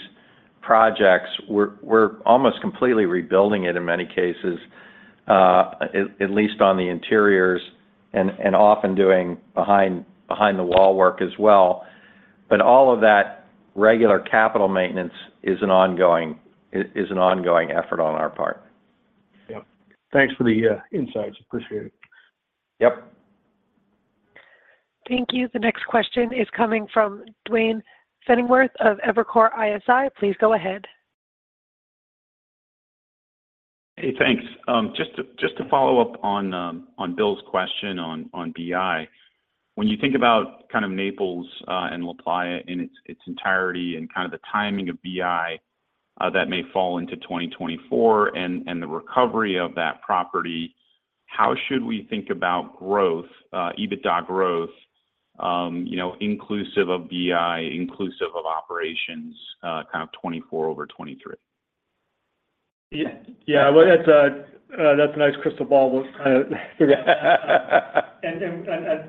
projects, we're almost completely rebuilding it in many cases, at least on the interiors and often doing behind the wall work as well. All of that regular capital maintenance is an ongoing effort on our part. Yes. Thanks for the insights. Appreciate it. Yes. Thank you. The next question is coming from Duane Pfennigwerth of Evercore ISI. Please go ahead. Hey, thanks. just to, just to follow up on Bill's question on BI. When you think about kind of Naples and LaPlaya in its, its entirety and kind of the timing of BI, that may fall into 2024 and, and the recovery of that property, how should we think about growth, EBITDA growth, you know, inclusive of BI, inclusive of operations, kind of 2024 over 2023? Yeah, yeah. Well, that's a, that's a nice crystal ball we'll kind of figure out.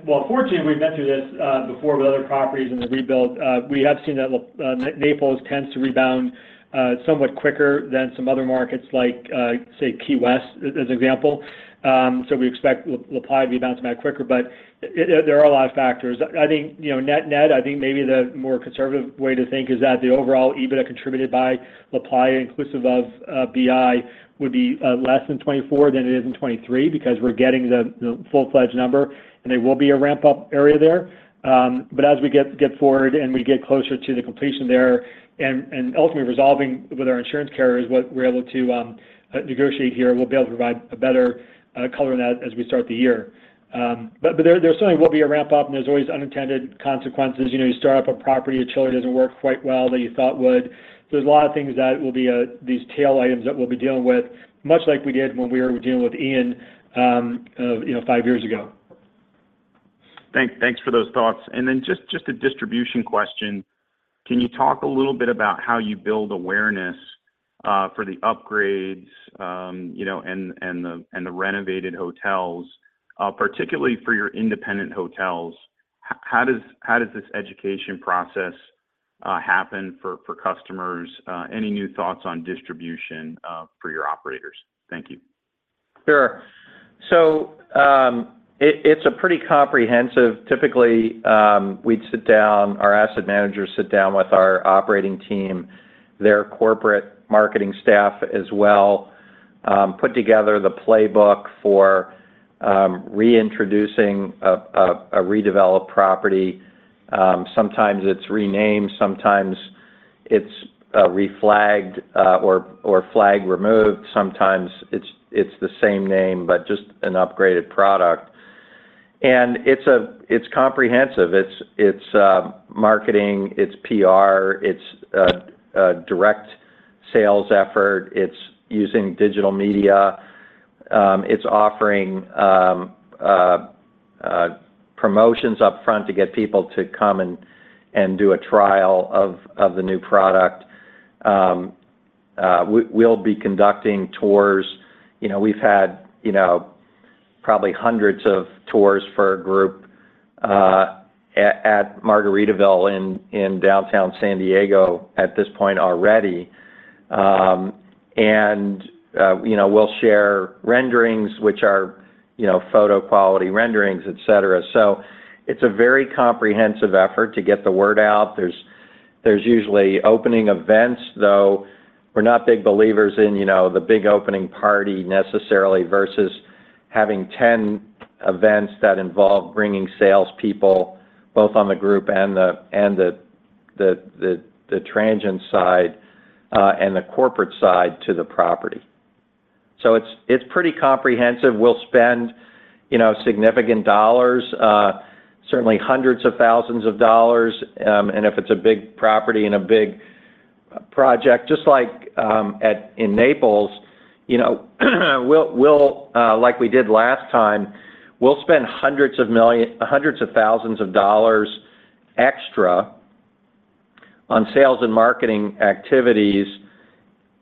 Well, fortunately, we've been through this before with other properties in the rebuild. We have seen that Naples tends to rebound somewhat quicker than some other markets like, say, Key West, as an example. We expect LaPlaya to rebound somewhat quicker, but there are a lot of factors. I think, you know, net- net, I think maybe the more conservative way to think is that the overall EBITDA contributed by LaPlaya, inclusive of, BI, would be less than 2024 than it is in 2023, because we're getting the full-fledged number, and there will be a ramp-up area there. As we get, get forward and we get closer to the completion there, and, and ultimately resolving with our insurance carriers what we're able to negotiate here, we'll be able to provide a better color on that as we start the year. There, there certainly will be a ramp up, and there's always unintended consequences. You know, you start up a property, your chiller doesn't work quite well that you thought would. There's a lot of things that will be these tail items that we'll be dealing with, much like we did when we were dealing with Ian, you know, five years ago. Thanks for those thoughts. Just, just a distribution question. Can you talk a little bit about how you build awareness for the upgrades, you know, and, and the, and the renovated hotels, particularly for your independent hotels? How does, how does this education process happen for, for customers? Any new thoughts on distribution for your operators? Thank you. Sure. It, it's a pretty comprehensive... Typically, we'd sit down, our asset managers sit down with our operating team, their corporate marketing staff as well, put together the playbook for reintroducing a, a, a redeveloped property. Sometimes it's renamed, sometimes it's reflagged, or, or flag removed. Sometimes it's, it's the same name, but just an upgraded product. It's a- it's comprehensive, it's, it's marketing, it's PR, it's a, a direct sales effort, it's using digital media, it's offering promotions upfront to get people to come and, and do a trial of, of the new product. We, we'll be conducting tours. You know, we've had, you know, probably hundreds of tours for a group at, at Margaritaville in, in downtown San Diego at this point already. You know, we'll share renderings, which are, you know, photo quality renderings, et cetera. It's a very comprehensive effort to get the word out. There's, there's usually opening events, though, we're not big believers in, you know, the big opening party necessarily, versus having 10 events that involve bringing sales people, both on the group and the, and the, the, the, the transient side, and the corporate side to the property. It's, it's pretty comprehensive. We'll spend, you know, significant dollars, certainly hundreds of thousands of dollars. If it's a big property and a big project, just like, in Naples, you know, we'll, we'll, like we did last time, we'll spend hundreds of thousands of dollars extra on sales and marketing activities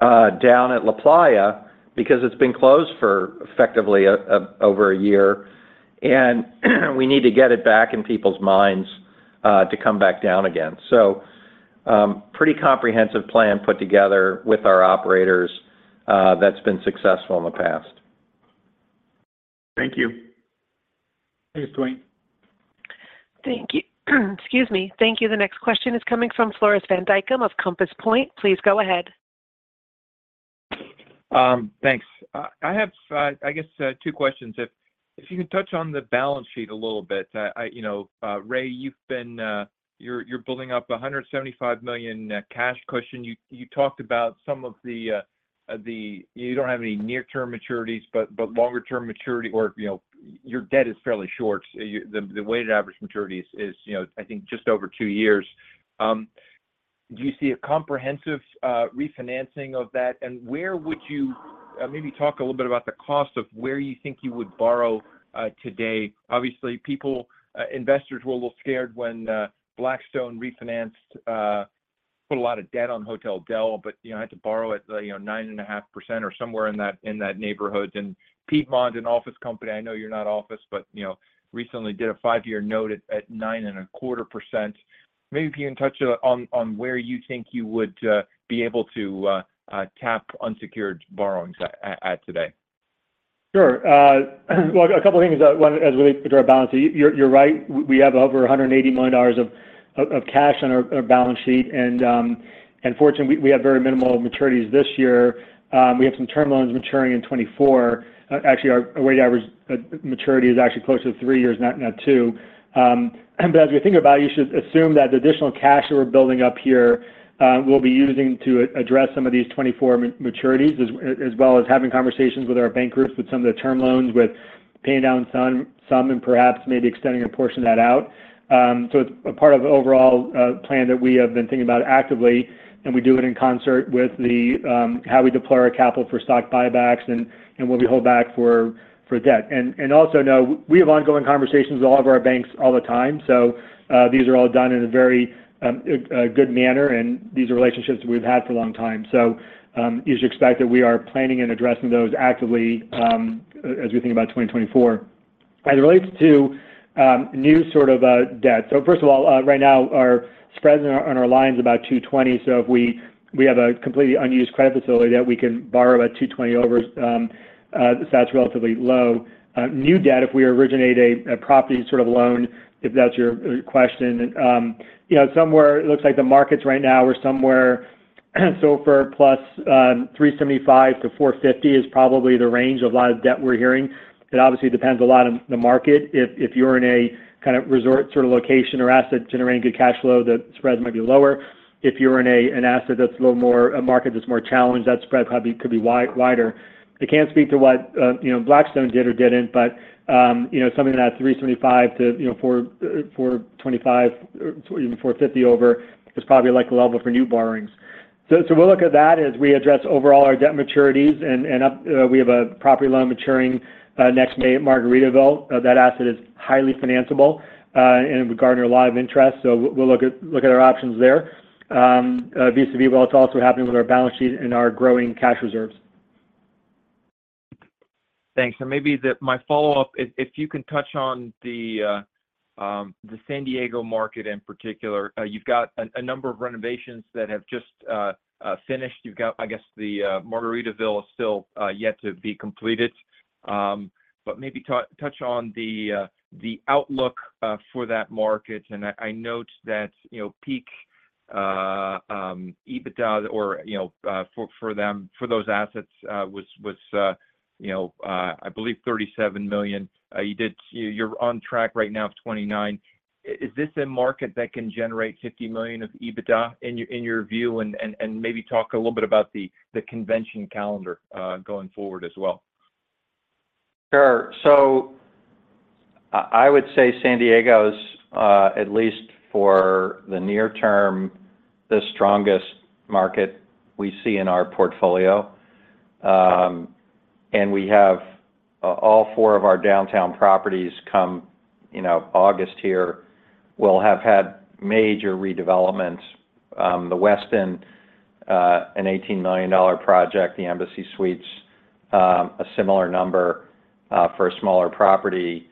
down at LaPlaya because it's been closed for effectively over 1 year, and we need to get it back in people's minds to come back down again. Pretty comprehensive plan put together with our operators that's been successful in the past. Thank you. Thanks, Duane. Thank you. Excuse me. Thank you. The next question is coming from Floris van Dijkum of Compass Point. Please go ahead. Thanks. I have, I guess, two questions. If you can touch on the balance sheet a little bit? I, you know, Ray, you've been, you're building up a $175 million cash cushion. You, you talked about some of the... You don't have any near-term maturities, but longer term maturity or, you know, your debt is fairly short. The weighted average maturity is, is, you know, I think just over two years. Do you see a comprehensive refinancing of that? Where would you- maybe talk a little bit about the cost of where you think you would borrow today? Obviously, people, investors were a little scared when Blackstone refinanced, put a lot of debt on Hotel Del, but, you know, had to borrow at, you know, 9.5% or somewhere in that, in that neighborhood. Piedmont, an office company, I know you're not office, but, you know, recently did a five-year note at, at 9.25%. Maybe if you can touch on where you think you would be able to cap unsecured borrowings at today. Sure. You're right, we have over $180 million of cash on our balance sheet, fortunately, we have very minimal maturities this year. We have some term loans maturing in 2024. Actually, our weighted average maturity is actually closer to three years, not two. As we think about it, you should assume that the additional cash that we're building up here, we'll be using to address some of these 2024 maturities, as well as having conversations with our bank groups, with some of the term loans, with paying down some, and perhaps maybe extending a portion of that out. It's a part of the overall plan that we have been thinking about actively, and we do it in concert with the how we deploy our capital for stock buybacks and what we hold back for debt. Also know, we have ongoing conversations with all of our banks all the time, so these are all done in a very good manner, and these are relationships we've had for a long time. You should expect that we are planning and addressing those actively as we think about 2024. As it relates to new sort of debt... First of all, right now, our spread on our, on our lines is about 220. If we have a completely unused credit facility that we can borrow at 220 over, that's relatively low. New debt, if we originate a property sort of loan, if that's your question, you know, somewhere, it looks like the markets right now are somewhere, SOFR plus 3.75-45.0 is probably the range of a lot of debt we're hearing. It obviously depends a lot on the market. If you're in a kind of resort sort of location or asset generating good cash flow, the spreads might be lower. If you're in an asset that's a little more, a market that's more challenged, that spread probably could be wider. I can't speak to what, you know, Blackstone did or didn't, but, you know, something that's 3.75 to, you know, 4, 4.25, even 4.50 over, is probably a likely level for new borrowings. We'll look at that as we address overall our debt maturities, we have a property loan maturing next May at Margaritaville. That asset is highly financeable, and would garner a lot of interest, so we'll look at, look at our options there. vis-à-vis, while it's also happening with our balance sheet and our growing cash reserves. Thanks. Maybe my follow-up, if, if you can touch on the San Diego market in particular. You've got a number of renovations that have just finished. You've got, I guess, the Margaritaville is still yet to be completed. Maybe touch on the outlook for that market. I, I note that, you know, peak EBITDA, or, you know, for, for them, for those assets, was, was, you know, I believe $37 million. You're on track right now of $29 million. Is this a market that can generate $50 million of EBITDA in your, in your view? And, and, and maybe talk a little bit about the convention calendar going forward as well. Sure. I, I would say San Diego is, at least for the near term, the strongest market we see in our portfolio. We have, all four of our downtown properties come, you know, August here, will have had major redevelopments. The Westin, an $18 million project, the Embassy Suites, a similar number, for a smaller property.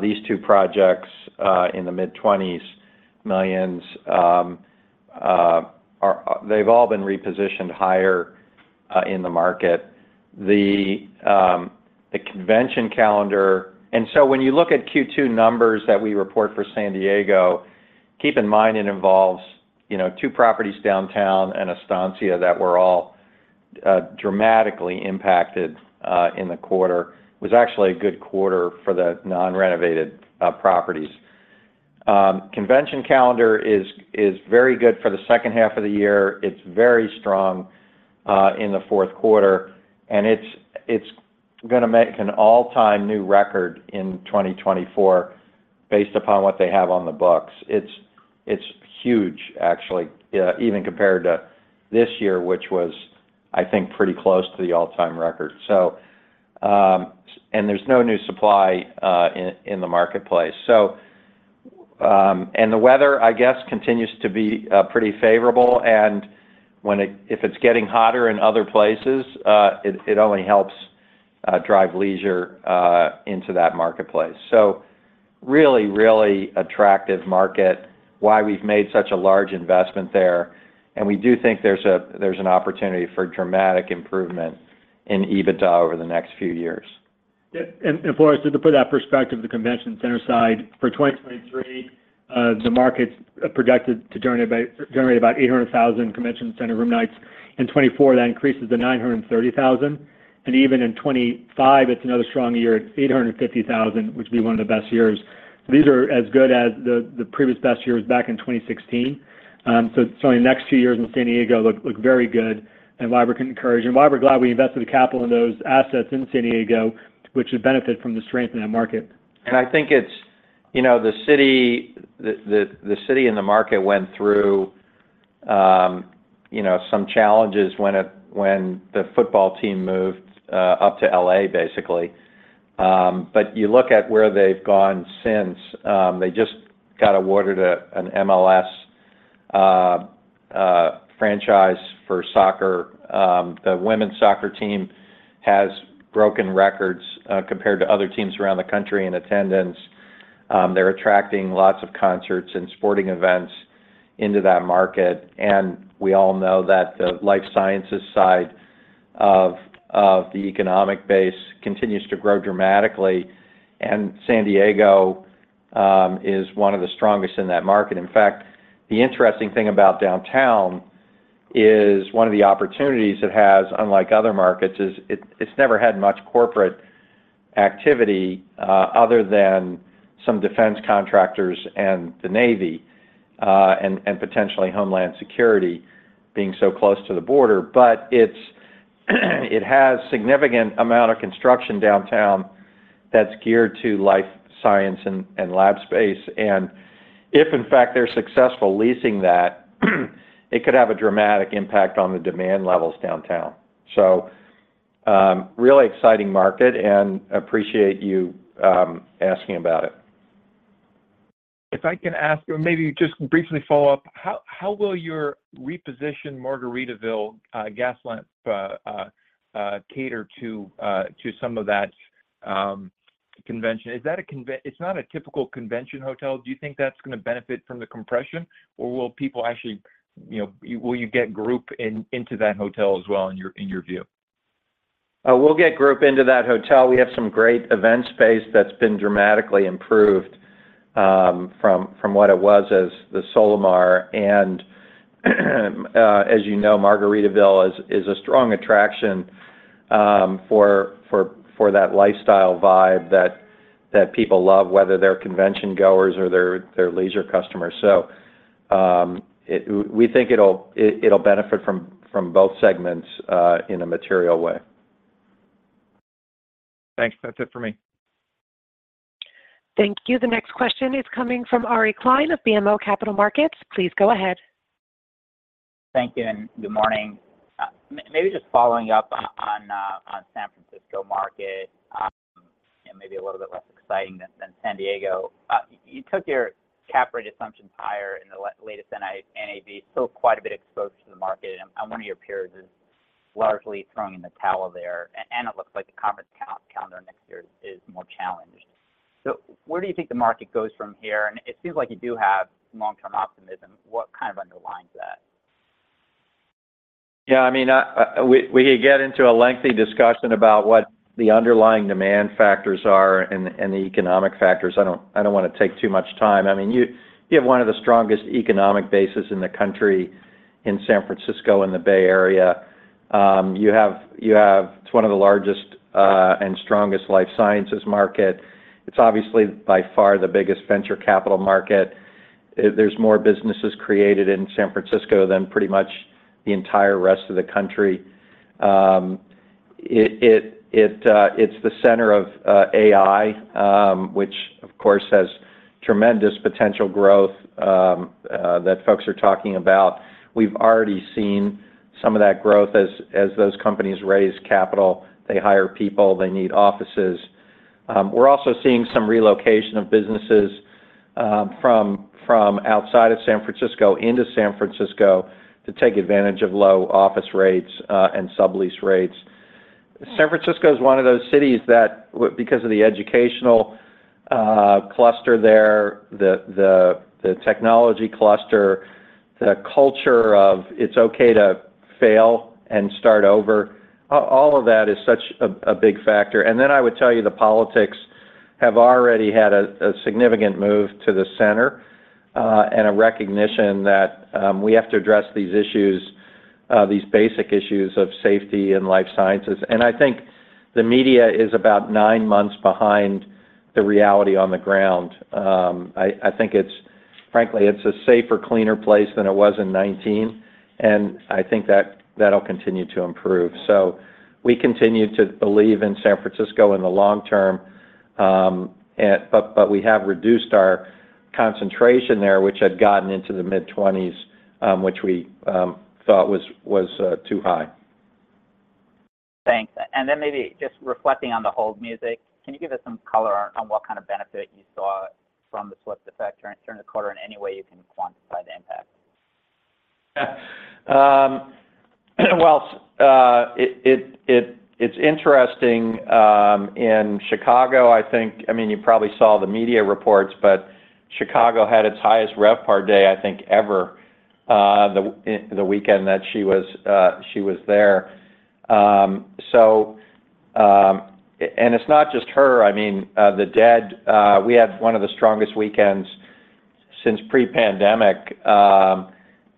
These two projects, in the mid-$20 millions, they've all been repositioned higher, in the market. The convention calendar. When you look at Q2 numbers that we report for San Diego, keep in mind it involves, you know, two properties downtown and Estancia that were all dramatically impacted, in the quarter. It was actually a good quarter for the non-renovated properties. Convention calendar is, is very good for the second half of the year. It's very strong in the fourth quarter, and it's, it's going to make an all-time new record in 2024 based upon what they have on the books. It's, it's huge, actually, even compared to this year, which was, I think, pretty close to the all-time record. There's no new supply in the marketplace. The weather, I guess, continues to be pretty favorable, and when it-- if it's getting hotter in other places, it, it only helps drive leisure into that marketplace. Really, really attractive market, why we've made such a large investment there, and we do think there's an opportunity for dramatic improvement in EBITDA over the next few years. Yeah, and Floris, just to put that perspective, the convention center side, for 2023, the market's projected to generate about 800,000 convention center room nights. In 2024, that increases to 930,000, and even in 2025, it's another strong year at 850,000, which will be one of the best years. These are as good as the, the previous best years back in 2016. Certainly the next two years in San Diego look, look very good, and why we're encouraged and why we're glad we invested the capital in those assets in San Diego, which would benefit from the strength in that market. I think it's, you know, the city, the city and the market went through, you know, some challenges when the football team moved up to L.A., basically. You look at where they've gone since, they just got awarded an MLS franchise for soccer. The women's soccer team has broken records compared to other teams around the country in attendance. They're attracting lots of concerts and sporting events into that market, we all know that the life sciences side of, of the economic base continues to grow dramatically, and San Diego is one of the strongest in that market. In fact, the interesting thing about downtown is one of the opportunities it has, unlike other markets, is it, it's never had much corporate activity, other than some defense contractors and the Navy, and, and potentially Homeland Security being so close to the border. It's, it has significant amount of construction downtown that's geared to life science and, and lab space, and if, in fact, they're successful leasing that, it could have a dramatic impact on the demand levels downtown. Really exciting market, and appreciate you, asking about it. If I can ask, or maybe just briefly follow up, how, how will your repositioned Margaritaville Gaslamp cater to, to some of that, convention? Is that a conven--? It's not a typical convention hotel. Do you think that's going to benefit from the compression, or will people actually, you know, will you get group in, into that hotel as well in your, in your view? We'll get group into that hotel. We have some great event space that's been dramatically improved, from, from what it was as the Solamar. As you know, Margaritaville is, is a strong attraction, for, for, for that lifestyle vibe that, that people love, whether they're convention goers or they're, they're leisure customers. We think it'll, it, it'll benefit from, from both segments in a material way. Thanks. That's it for me. Thank you. The next question is coming from Ari Klein of BMO Capital Markets. Please go ahead. Thank you. Good morning. Maybe just following up on San Francisco market, maybe a little bit less exciting than San Diego. You took your cap rate assumptions higher in the latest NAV, still quite a bit exposed to the market, and one of your peers is largely throwing in the towel there, and it looks like the conference calendar next year is more challenged. Where do you think the market goes from here? It seems like you do have long-term optimism. What kind of underlines that? Yeah, I mean, I, we, we could get into a lengthy discussion about what the underlying demand factors are and, and the economic factors. I don't, I don't wanna take too much time. I mean, you, you have one of the strongest economic bases in the country in San Francisco and the Bay Area. It's one of the largest and strongest life sciences market. It's obviously by far the biggest venture capital market. There's more businesses created in San Francisco than pretty much the entire rest of the country. It's the center of AI, which, of course, has tremendous potential growth that folks are talking about. We've already seen some of that growth as, as those companies raise capital, they hire people, they need offices. We're also seeing some relocation of businesses, from outside of San Francisco into San Francisco to take advantage of low office rates and sublease rates. San Francisco is one of those cities that because of the educational cluster there, the technology cluster, the culture of it's okay to fail and start over, all of that is such a big factor. Then I would tell you, the politics have already had a significant move to the center and a recognition that we have to address these issues, these basic issues of safety and life sciences. I think the media is about nine months behind the reality on the ground. Frankly, it's a safer, cleaner place than it was in 2019, and I think that'll continue to improve. We continue to believe in San Francisco in the long term, but, but we have reduced our concentration there, which had gotten into the mid-20s, which we thought was, was, too high. Thanks. Then maybe just reflecting on the hold music, can you give us some color on, on what kind of benefit you saw from the Swift effect during, during the quarter, in any way you can quantify the impact? Well, it's interesting, in Chicago, I think. I mean, you probably saw the media reports, but Chicago had its highest rev per day, I think, ever, the weekend that she was there. So, I mean, and it's not just her, I mean, The Dead, we had one of the strongest weekends since pre-pandemic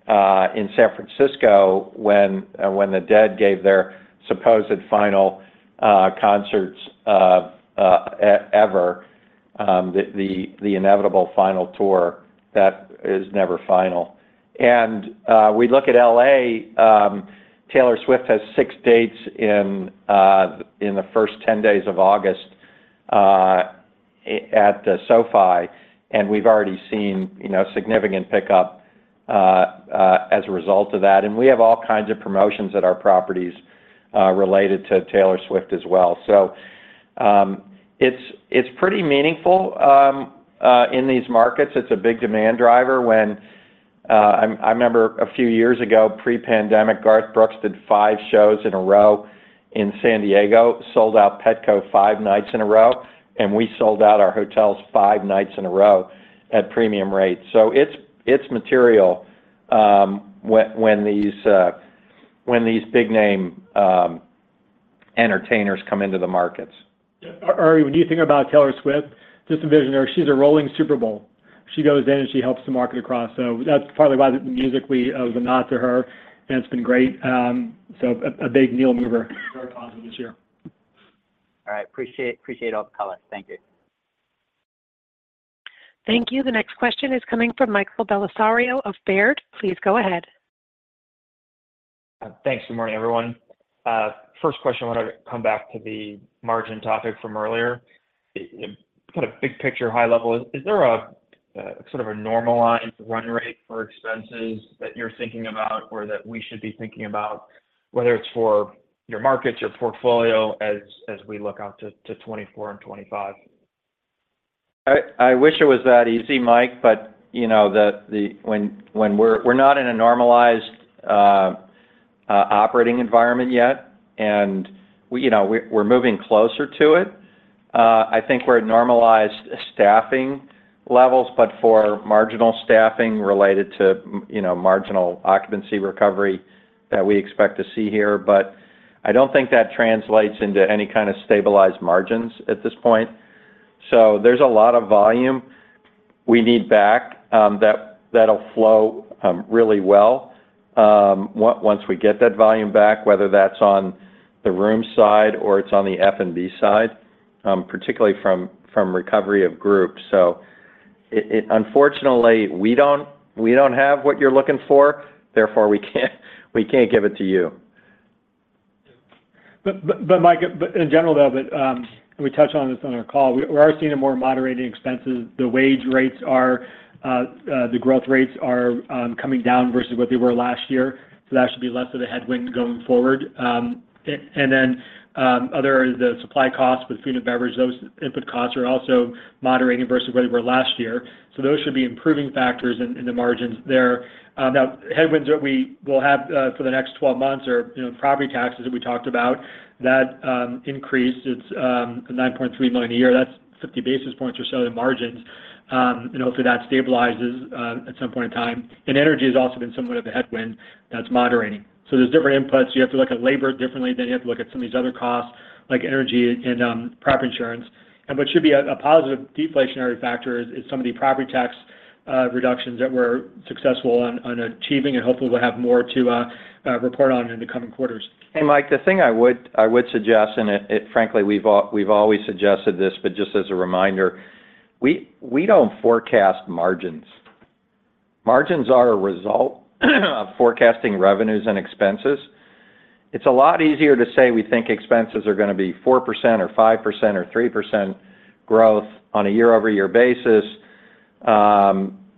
in San Francisco when The Dead gave their supposed final concerts ever, The Inevitable Final Tour that is never final. We look at L.A., Taylor Swift has 6 dates in the first 10 days of August at the SoFi, and we've already seen, you know, significant pickup as a result of that. We have all kinds of promotions at our properties, related to Taylor Swift as well. It's, it's pretty meaningful, in these markets. It's a big demand driver. When I remember a few years ago, pre-pandemic, Garth Brooks did five shows in a row in San Diego, sold out Petco five nights in a row, and we sold out our hotels five nights in a row at premium rates. It's, it's material, when these, when these big name, entertainers come into the markets. Yeah. Ari, what do you think about Taylor Swift? Just a visionary. She's a rolling Super Bowl. She goes in, and she helps the market across, so that's partly why the music we gave a nod to her, and it's been great. A big needle mover, very positive this year. All right. Appreciate all the color. Thank you. Thank you. The next question is coming from Mike Bellisario of Baird. Please go ahead. Thanks. Good morning, everyone. First question, I wanted to come back to the margin topic from earlier. Kind of big picture, high level, is there a sort of a normalized run rate for expenses that you're thinking about or that we should be thinking about, whether it's for your markets, your portfolio, as we look out to 2024 and 2025? I wish it was that easy, Mike, but you know, the when we're not in a normalized operating environment yet, and you know, we're moving closer to it. I think we're at normalized staffing levels, but for marginal staffing related to you know, marginal occupancy recovery that we expect to see here. I don't think that translates into any kind of stabilized margins at this point. There's a lot of volume we need back that, that'll flow really well once we get that volume back, whether that's on the room side or it's on the F&B side, particularly from, from recovery of groups. Unfortunately, we don't, we don't have what you're looking for, therefore, we can't, we can't give it to you. In general, though, we touched on this on our call, we are seeing a more moderating expenses. The wage rates are, the growth rates are coming down versus what they were last year, so that should be less of a headwind going forward. And then, other, the supply costs with food and beverage, those input costs are also moderating versus where they were last year. Those should be improving factors in, in the margins there. Now, headwinds that we will have for the next 12 months are, you know, property taxes that we talked about. That increased. It's $9.3 million a year. That's 50 basis points or so in margins, you know, if that stabilizes at some point in time. Energy has also been somewhat of a headwind that's moderating. There's different inputs. You have to look at labor differently than you have to look at some of these other costs, like energy and property insurance. What should be a, a positive deflationary factor is, is some of the property tax reductions that we're successful on, on achieving, and hopefully we'll have more to report on in the coming quarters. Mike, the thing I would suggest, and it frankly, we've always suggested this, but just as a reminder, we don't forecast margins. Margins are a result of forecasting revenues and expenses. It's a lot easier to say we think expenses are going to be 4% or 5% or 3% growth on a year-over-year basis,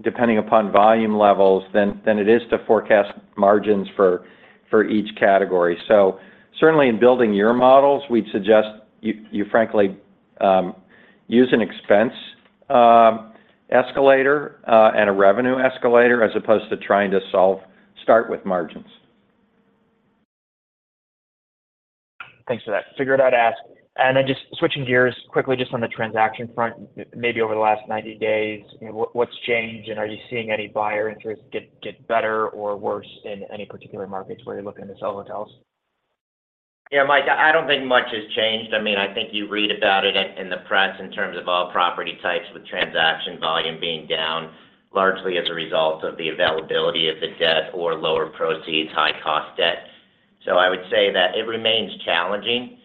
depending upon volume levels, than it is to forecast margins for each category. Certainly, in building your models, we'd suggest you frankly use an expense escalator and a revenue escalator, as opposed to trying to start with margins. Thanks for that. Figured I'd ask. Then just switching gears quickly just on the transaction front, maybe over the last 90 days, you know, what, what's changed, and are you seeing any buyer interest get, get better or worse in any particular markets where you're looking to sell hotels? Yeah, Mike, I don't think much has changed. I mean, I think you read about it in the press in terms of all property types, with transaction volume being down largely as a result of the availability of the debt or lower proceeds, high cost debt. I would say that it remains challenging.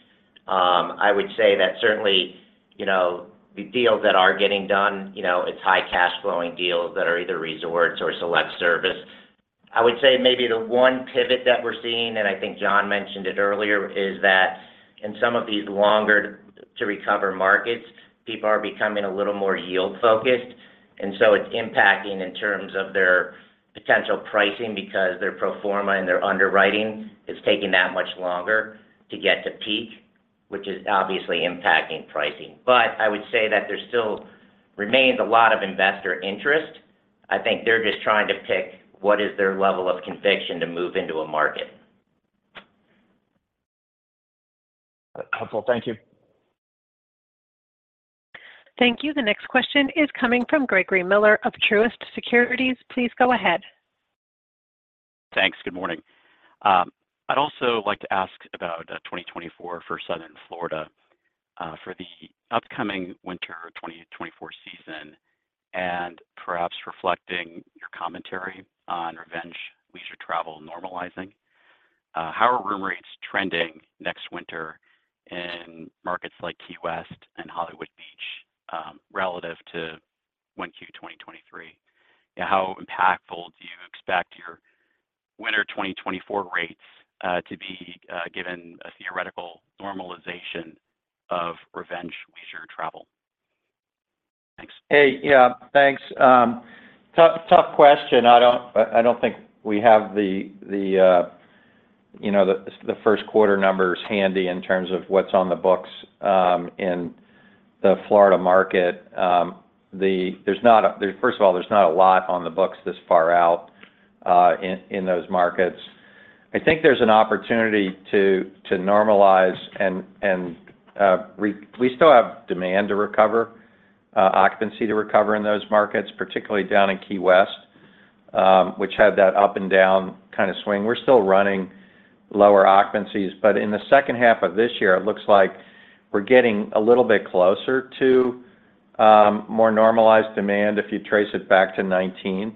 I would say that certainly, you know, the deals that are getting done, you know, it's high cash flowing deals that are either resorts or select service. I would say maybe the one pivot that we're seeing, and I think Jon mentioned it earlier, is that in some of these longer to recover markets, people are becoming a little more yield focused, and so it's impacting in terms of their potential pricing because their pro forma and their underwriting is taking that much longer to get to peak, which is obviously impacting pricing. I would say that there still remains a lot of investor interest. I think they're just trying to pick what is their level of conviction to move into a market. helpful. Thank you. Thank you. The next question is coming from Gregory Miller of Truist Securities. Please go ahead. Thanks. Good morning. I'd also like to ask about 2024 for Southern Florida for the upcoming winter 2024 season, and perhaps reflecting your commentary on revenge, leisure travel normalizing. How are room rates trending next winter in markets like Key West and Hollywood Beach relative to 1 Q 2023? How impactful do you expect your winter 2024 rates to be given a theoretical normalization of revenge leisure travel? Thanks. Hey, yeah. Thanks, tough, tough question. I, I don't think we have the, the, you know, the, the first quarter numbers handy in terms of what's on the books in the Florida market. First of all, there's not a lot on the books this far out in those markets. I think there's an opportunity to, to normalize and, and we still have demand to recover, occupancy to recover in those markets, particularly down in Key West, which had that up and down kind of swing. We're still running lower occupancies. In the second half of this year, it looks like we're getting a little bit closer to more normalized demand if you trace it back to 2019.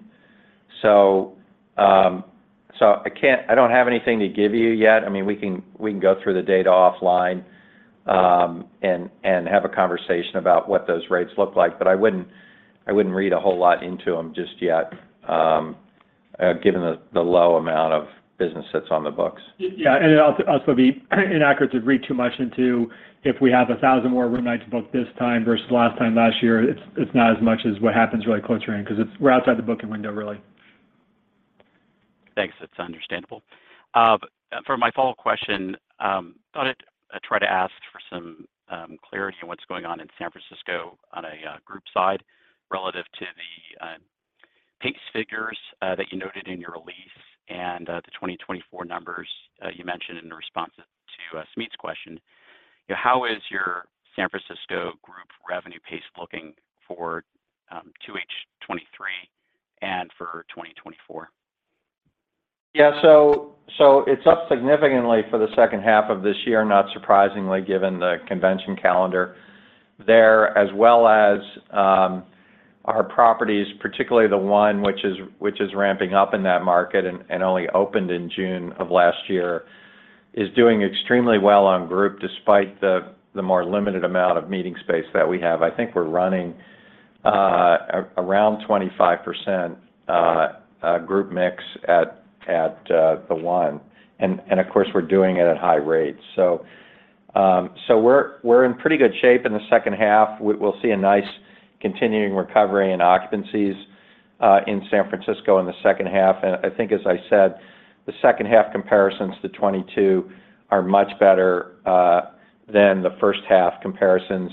I don't have anything to give you yet. I mean, we can, we can go through the data offline, and, and have a conversation about what those rates look like, but I wouldn't, I wouldn't read a whole lot into them just yet, given the, the low amount of business that's on the books. Yeah, it also be inaccurate to read too much into if we have 1,000 more room nights to book this time versus last time last year. It's not as much as what happens really closer in, 'cause it's, we're outside the booking window really. Thanks. It's understandable. For my follow-up question, I thought I'd try to ask for some clarity on what's going on in San Francisco on a group side, relative to the pace figures that you noted in your release and the 2024 numbers you mentioned in the response to Smede's question. You know, how is your San Francisco group revenue pace looking for 2H 2023 and for 2024? Yeah, so it's up significantly for the second half of this year, not surprisingly, given the convention calendar there, as well as, our properties, particularly the one which is, which is ramping up in that market and, and only opened in June of last year, is doing extremely well on group despite the, the more limited amount of meeting space that we have. I think we're running around 25% group mix at the one. Of course, we're doing it at high rates. So we're in pretty good shape in the second half. We'll see a nice continuing recovery in occupancies in San Francisco in the second half. I think, as I said, the second half comparisons to 2022 are much better than the first half comparisons,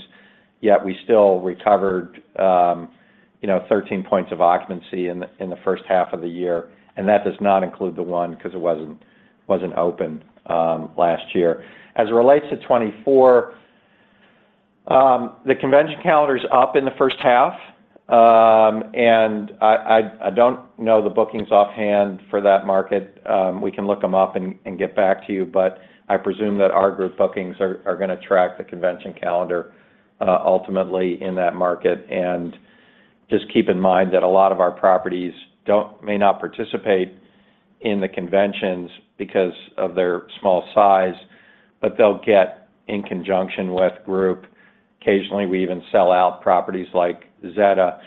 yet we still recovered, you know, 13 points of occupancy in the first half of the year, and that does not include the one, 'cause it wasn't, wasn't open last year. As it relates to 2024, the convention calendar is up in the first half, I, I, I don't know the bookings offhand for that market. We can look them up and get back to you, but I presume that our group bookings are, are going to track the convention calendar ultimately in that market. Just keep in mind that a lot of our properties may not participate in the conventions because of their small size, but they'll get in conjunction with group. Occasionally, we even sell out properties like Zetta,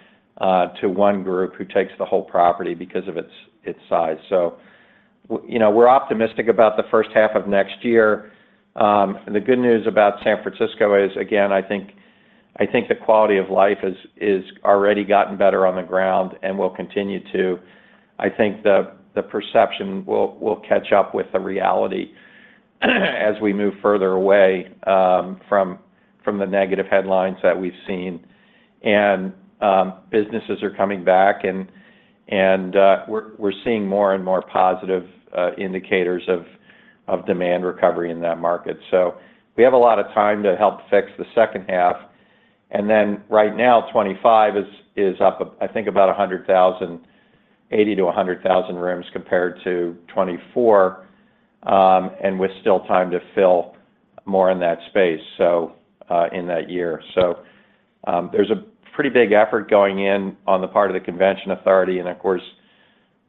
to one group who takes the whole property because of its, its size. You know, we're optimistic about the first half of next year. The good news about San Francisco is, again, I think, I think the quality of life is, is already gotten better on the ground and will continue to. I think the, the perception will, will catch up with the reality, as we move further away, from, from the negative headlines that we've seen. Businesses are coming back and, and, we're, we're seeing more and more positive, indicators of, of demand recovery in that market. We have a lot of time to help fix the second half. Right now, 2025 is, is up, I think, about 100,000, 80,000-100,000 rooms compared to 2024, and with still time to fill more in that space, so in that year. There's a pretty big effort going in on the part of the Convention Authority and, of course,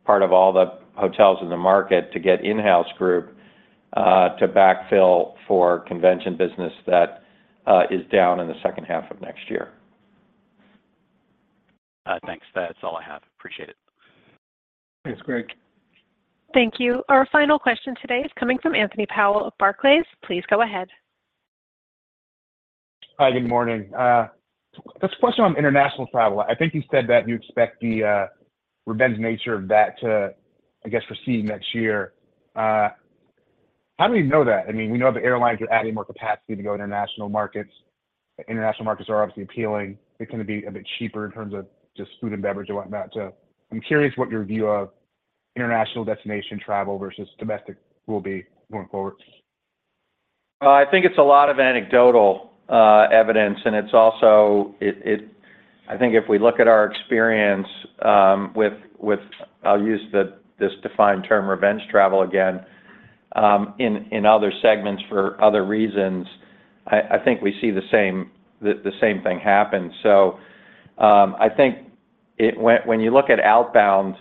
part of all the hotels in the market, to get in-house group, to backfill for convention business that is down in the second half of 2024. Thanks. That's all I have. Appreciate it. Thanks, Greg. Thank you. Our final question today is coming from Anthony Powell of Barclays. Please go ahead. Hi, good morning. Just a question on international travel. I think you said that you expect the revenge nature of that to, I guess, recede next year. How do you know that? I mean, we know the airlines are adding more capacity to go to international markets. International markets are obviously appealing. They're going to be a bit cheaper in terms of just food and beverage and whatnot. I'm curious what your view of international destination travel versus domestic will be going forward? I think it's a lot of anecdotal evidence, and it's also I think if we look at our experience with, with, I'll use the, this defined term, revenge travel again, in, in other segments for other reasons, I, I think we see the same, the same thing happen. I think it when, when you look at outbound,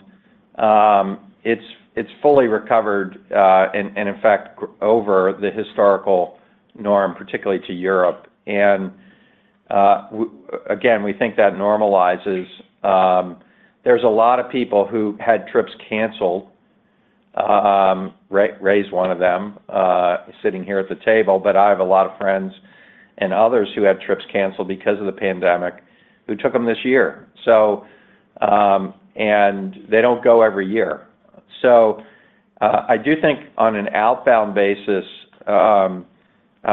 it's, it's fully recovered, and, and in fact, over the historical norm, particularly to Europe. again, we think that normalizes. There's a lot of people who had trips canceled. Ray's one of them, sitting here at the table, but I have a lot of friends and others who had trips canceled because of the pandemic, who took them this year. They don't go every year. I do think on an outbound basis,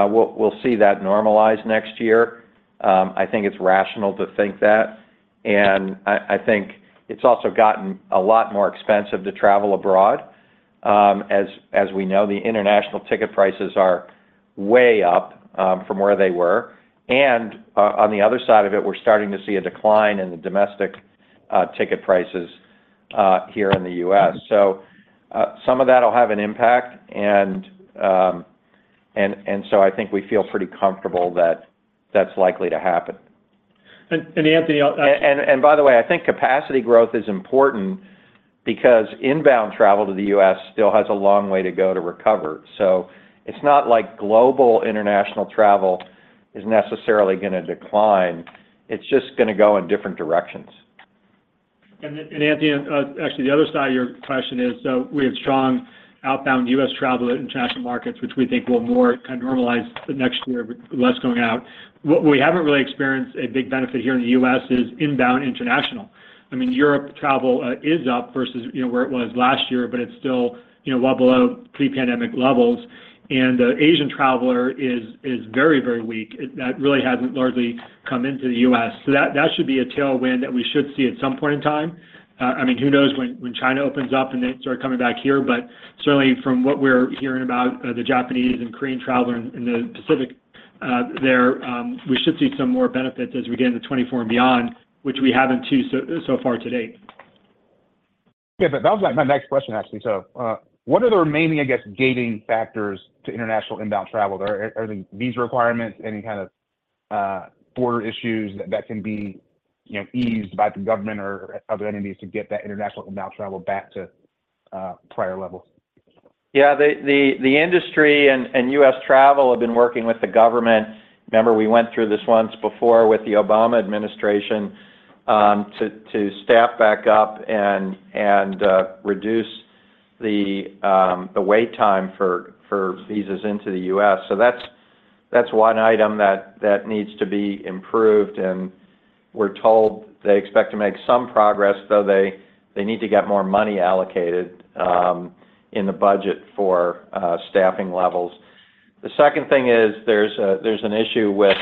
we'll, we'll see that normalize next year. I think it's rational to think that, and I, I think it's also gotten a lot more expensive to travel abroad. As, as we know, the international ticket prices are way up from where they were. And on the other side of it, we're starting to see a decline in the domestic ticket prices here in the U.S. Some of that will have an impact, and, and so I think we feel pretty comfortable that that's likely to happen. Anthony. And by the way, I think capacity growth is important because inbound travel to the U.S. still has a long way to go to recover. It's not like global international travel is necessarily going to decline. It's just going to go in different directions. Anthony, actually, the other side of your question is. We have strong outbound U.S. travel in international markets, which we think will more kind of normalize the next year, but less going out. What we haven't really experienced a big benefit here in the U.S. is inbound international. I mean, Europe travel is up versus, you know, where it was last year, but it's still, you know, well below pre-pandemic levels. The Asian traveler is, is very, very weak. That really hasn't largely come into the U.S. That, that should be a tailwind that we should see at some point in time. I mean, who knows when, when China opens up and they start coming back here. Certainly from what we're hearing about, the Japanese and Korean traveler in, in the Pacific, there, we should see some more benefits as we get into 2024 and beyond, which we haven't to so, so far to date. That was, like, my next question, actually. What are the remaining, I guess, gating factors to international inbound travel? There. Are they visa requirements, any kind of, border issues that can be, you know, eased by the government or other entities to get that international inbound travel back to, prior levels? The industry and U.S. travel have been working with the government. Remember, we went through this once before with the Obama administration to staff back up and reduce the wait time for visas into the U.S. That's one item that needs to be improved, and we're told they expect to make some progress, though they need to get more money allocated in the budget for staffing levels. The second thing is there's an issue with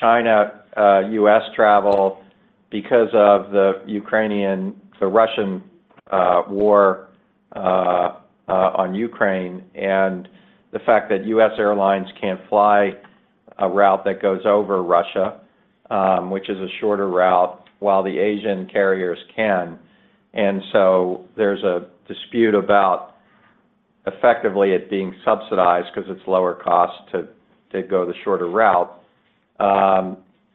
China, U.S. travel because of the Russian war on Ukraine, and the fact that U.S. airlines can't fly a route that goes over Russia, which is a shorter route, while the Asian carriers can. There's a dispute about effectively it being subsidized because it's lower cost to go the shorter route,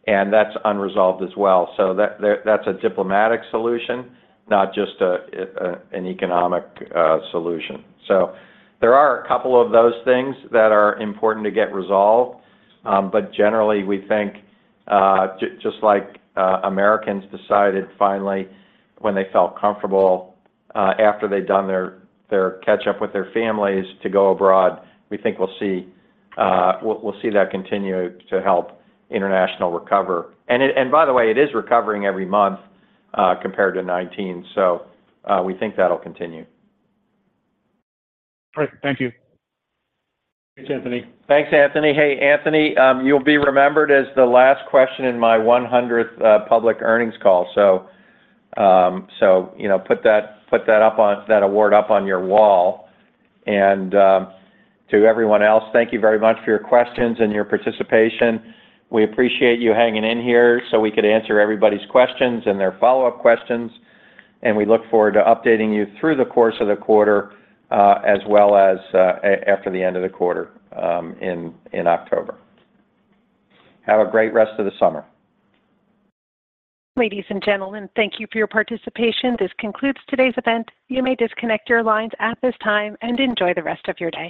and that's unresolved as well. That, there, that's a diplomatic solution, not just an economic solution. There are a couple of those things that are important to get resolved, but generally, we think just like Americans decided finally when they felt comfortable after they'd done their catch up with their families to go abroad, we think we'll see, we'll see that continue to help international recover. By the way, it is recovering every month compared to 2019, so we think that'll continue. Great. Thank you. Thanks, Anthony. Thanks, Anthony. Hey, Anthony, you'll be remembered as the last question in my 100th public earnings call. You know, put that, put that up on, that award up on your wall. To everyone else, thank you very much for your questions and your participation. We appreciate you hanging in here, so we could answer everybody's questions and their follow-up questions, and we look forward to updating you through the course of the quarter, as well as after the end of the quarter, in October. Have a great rest of the summer. Ladies and gentlemen, thank you for your participation. This concludes today's event. You may disconnect your lines at this time and enjoy the rest of your day.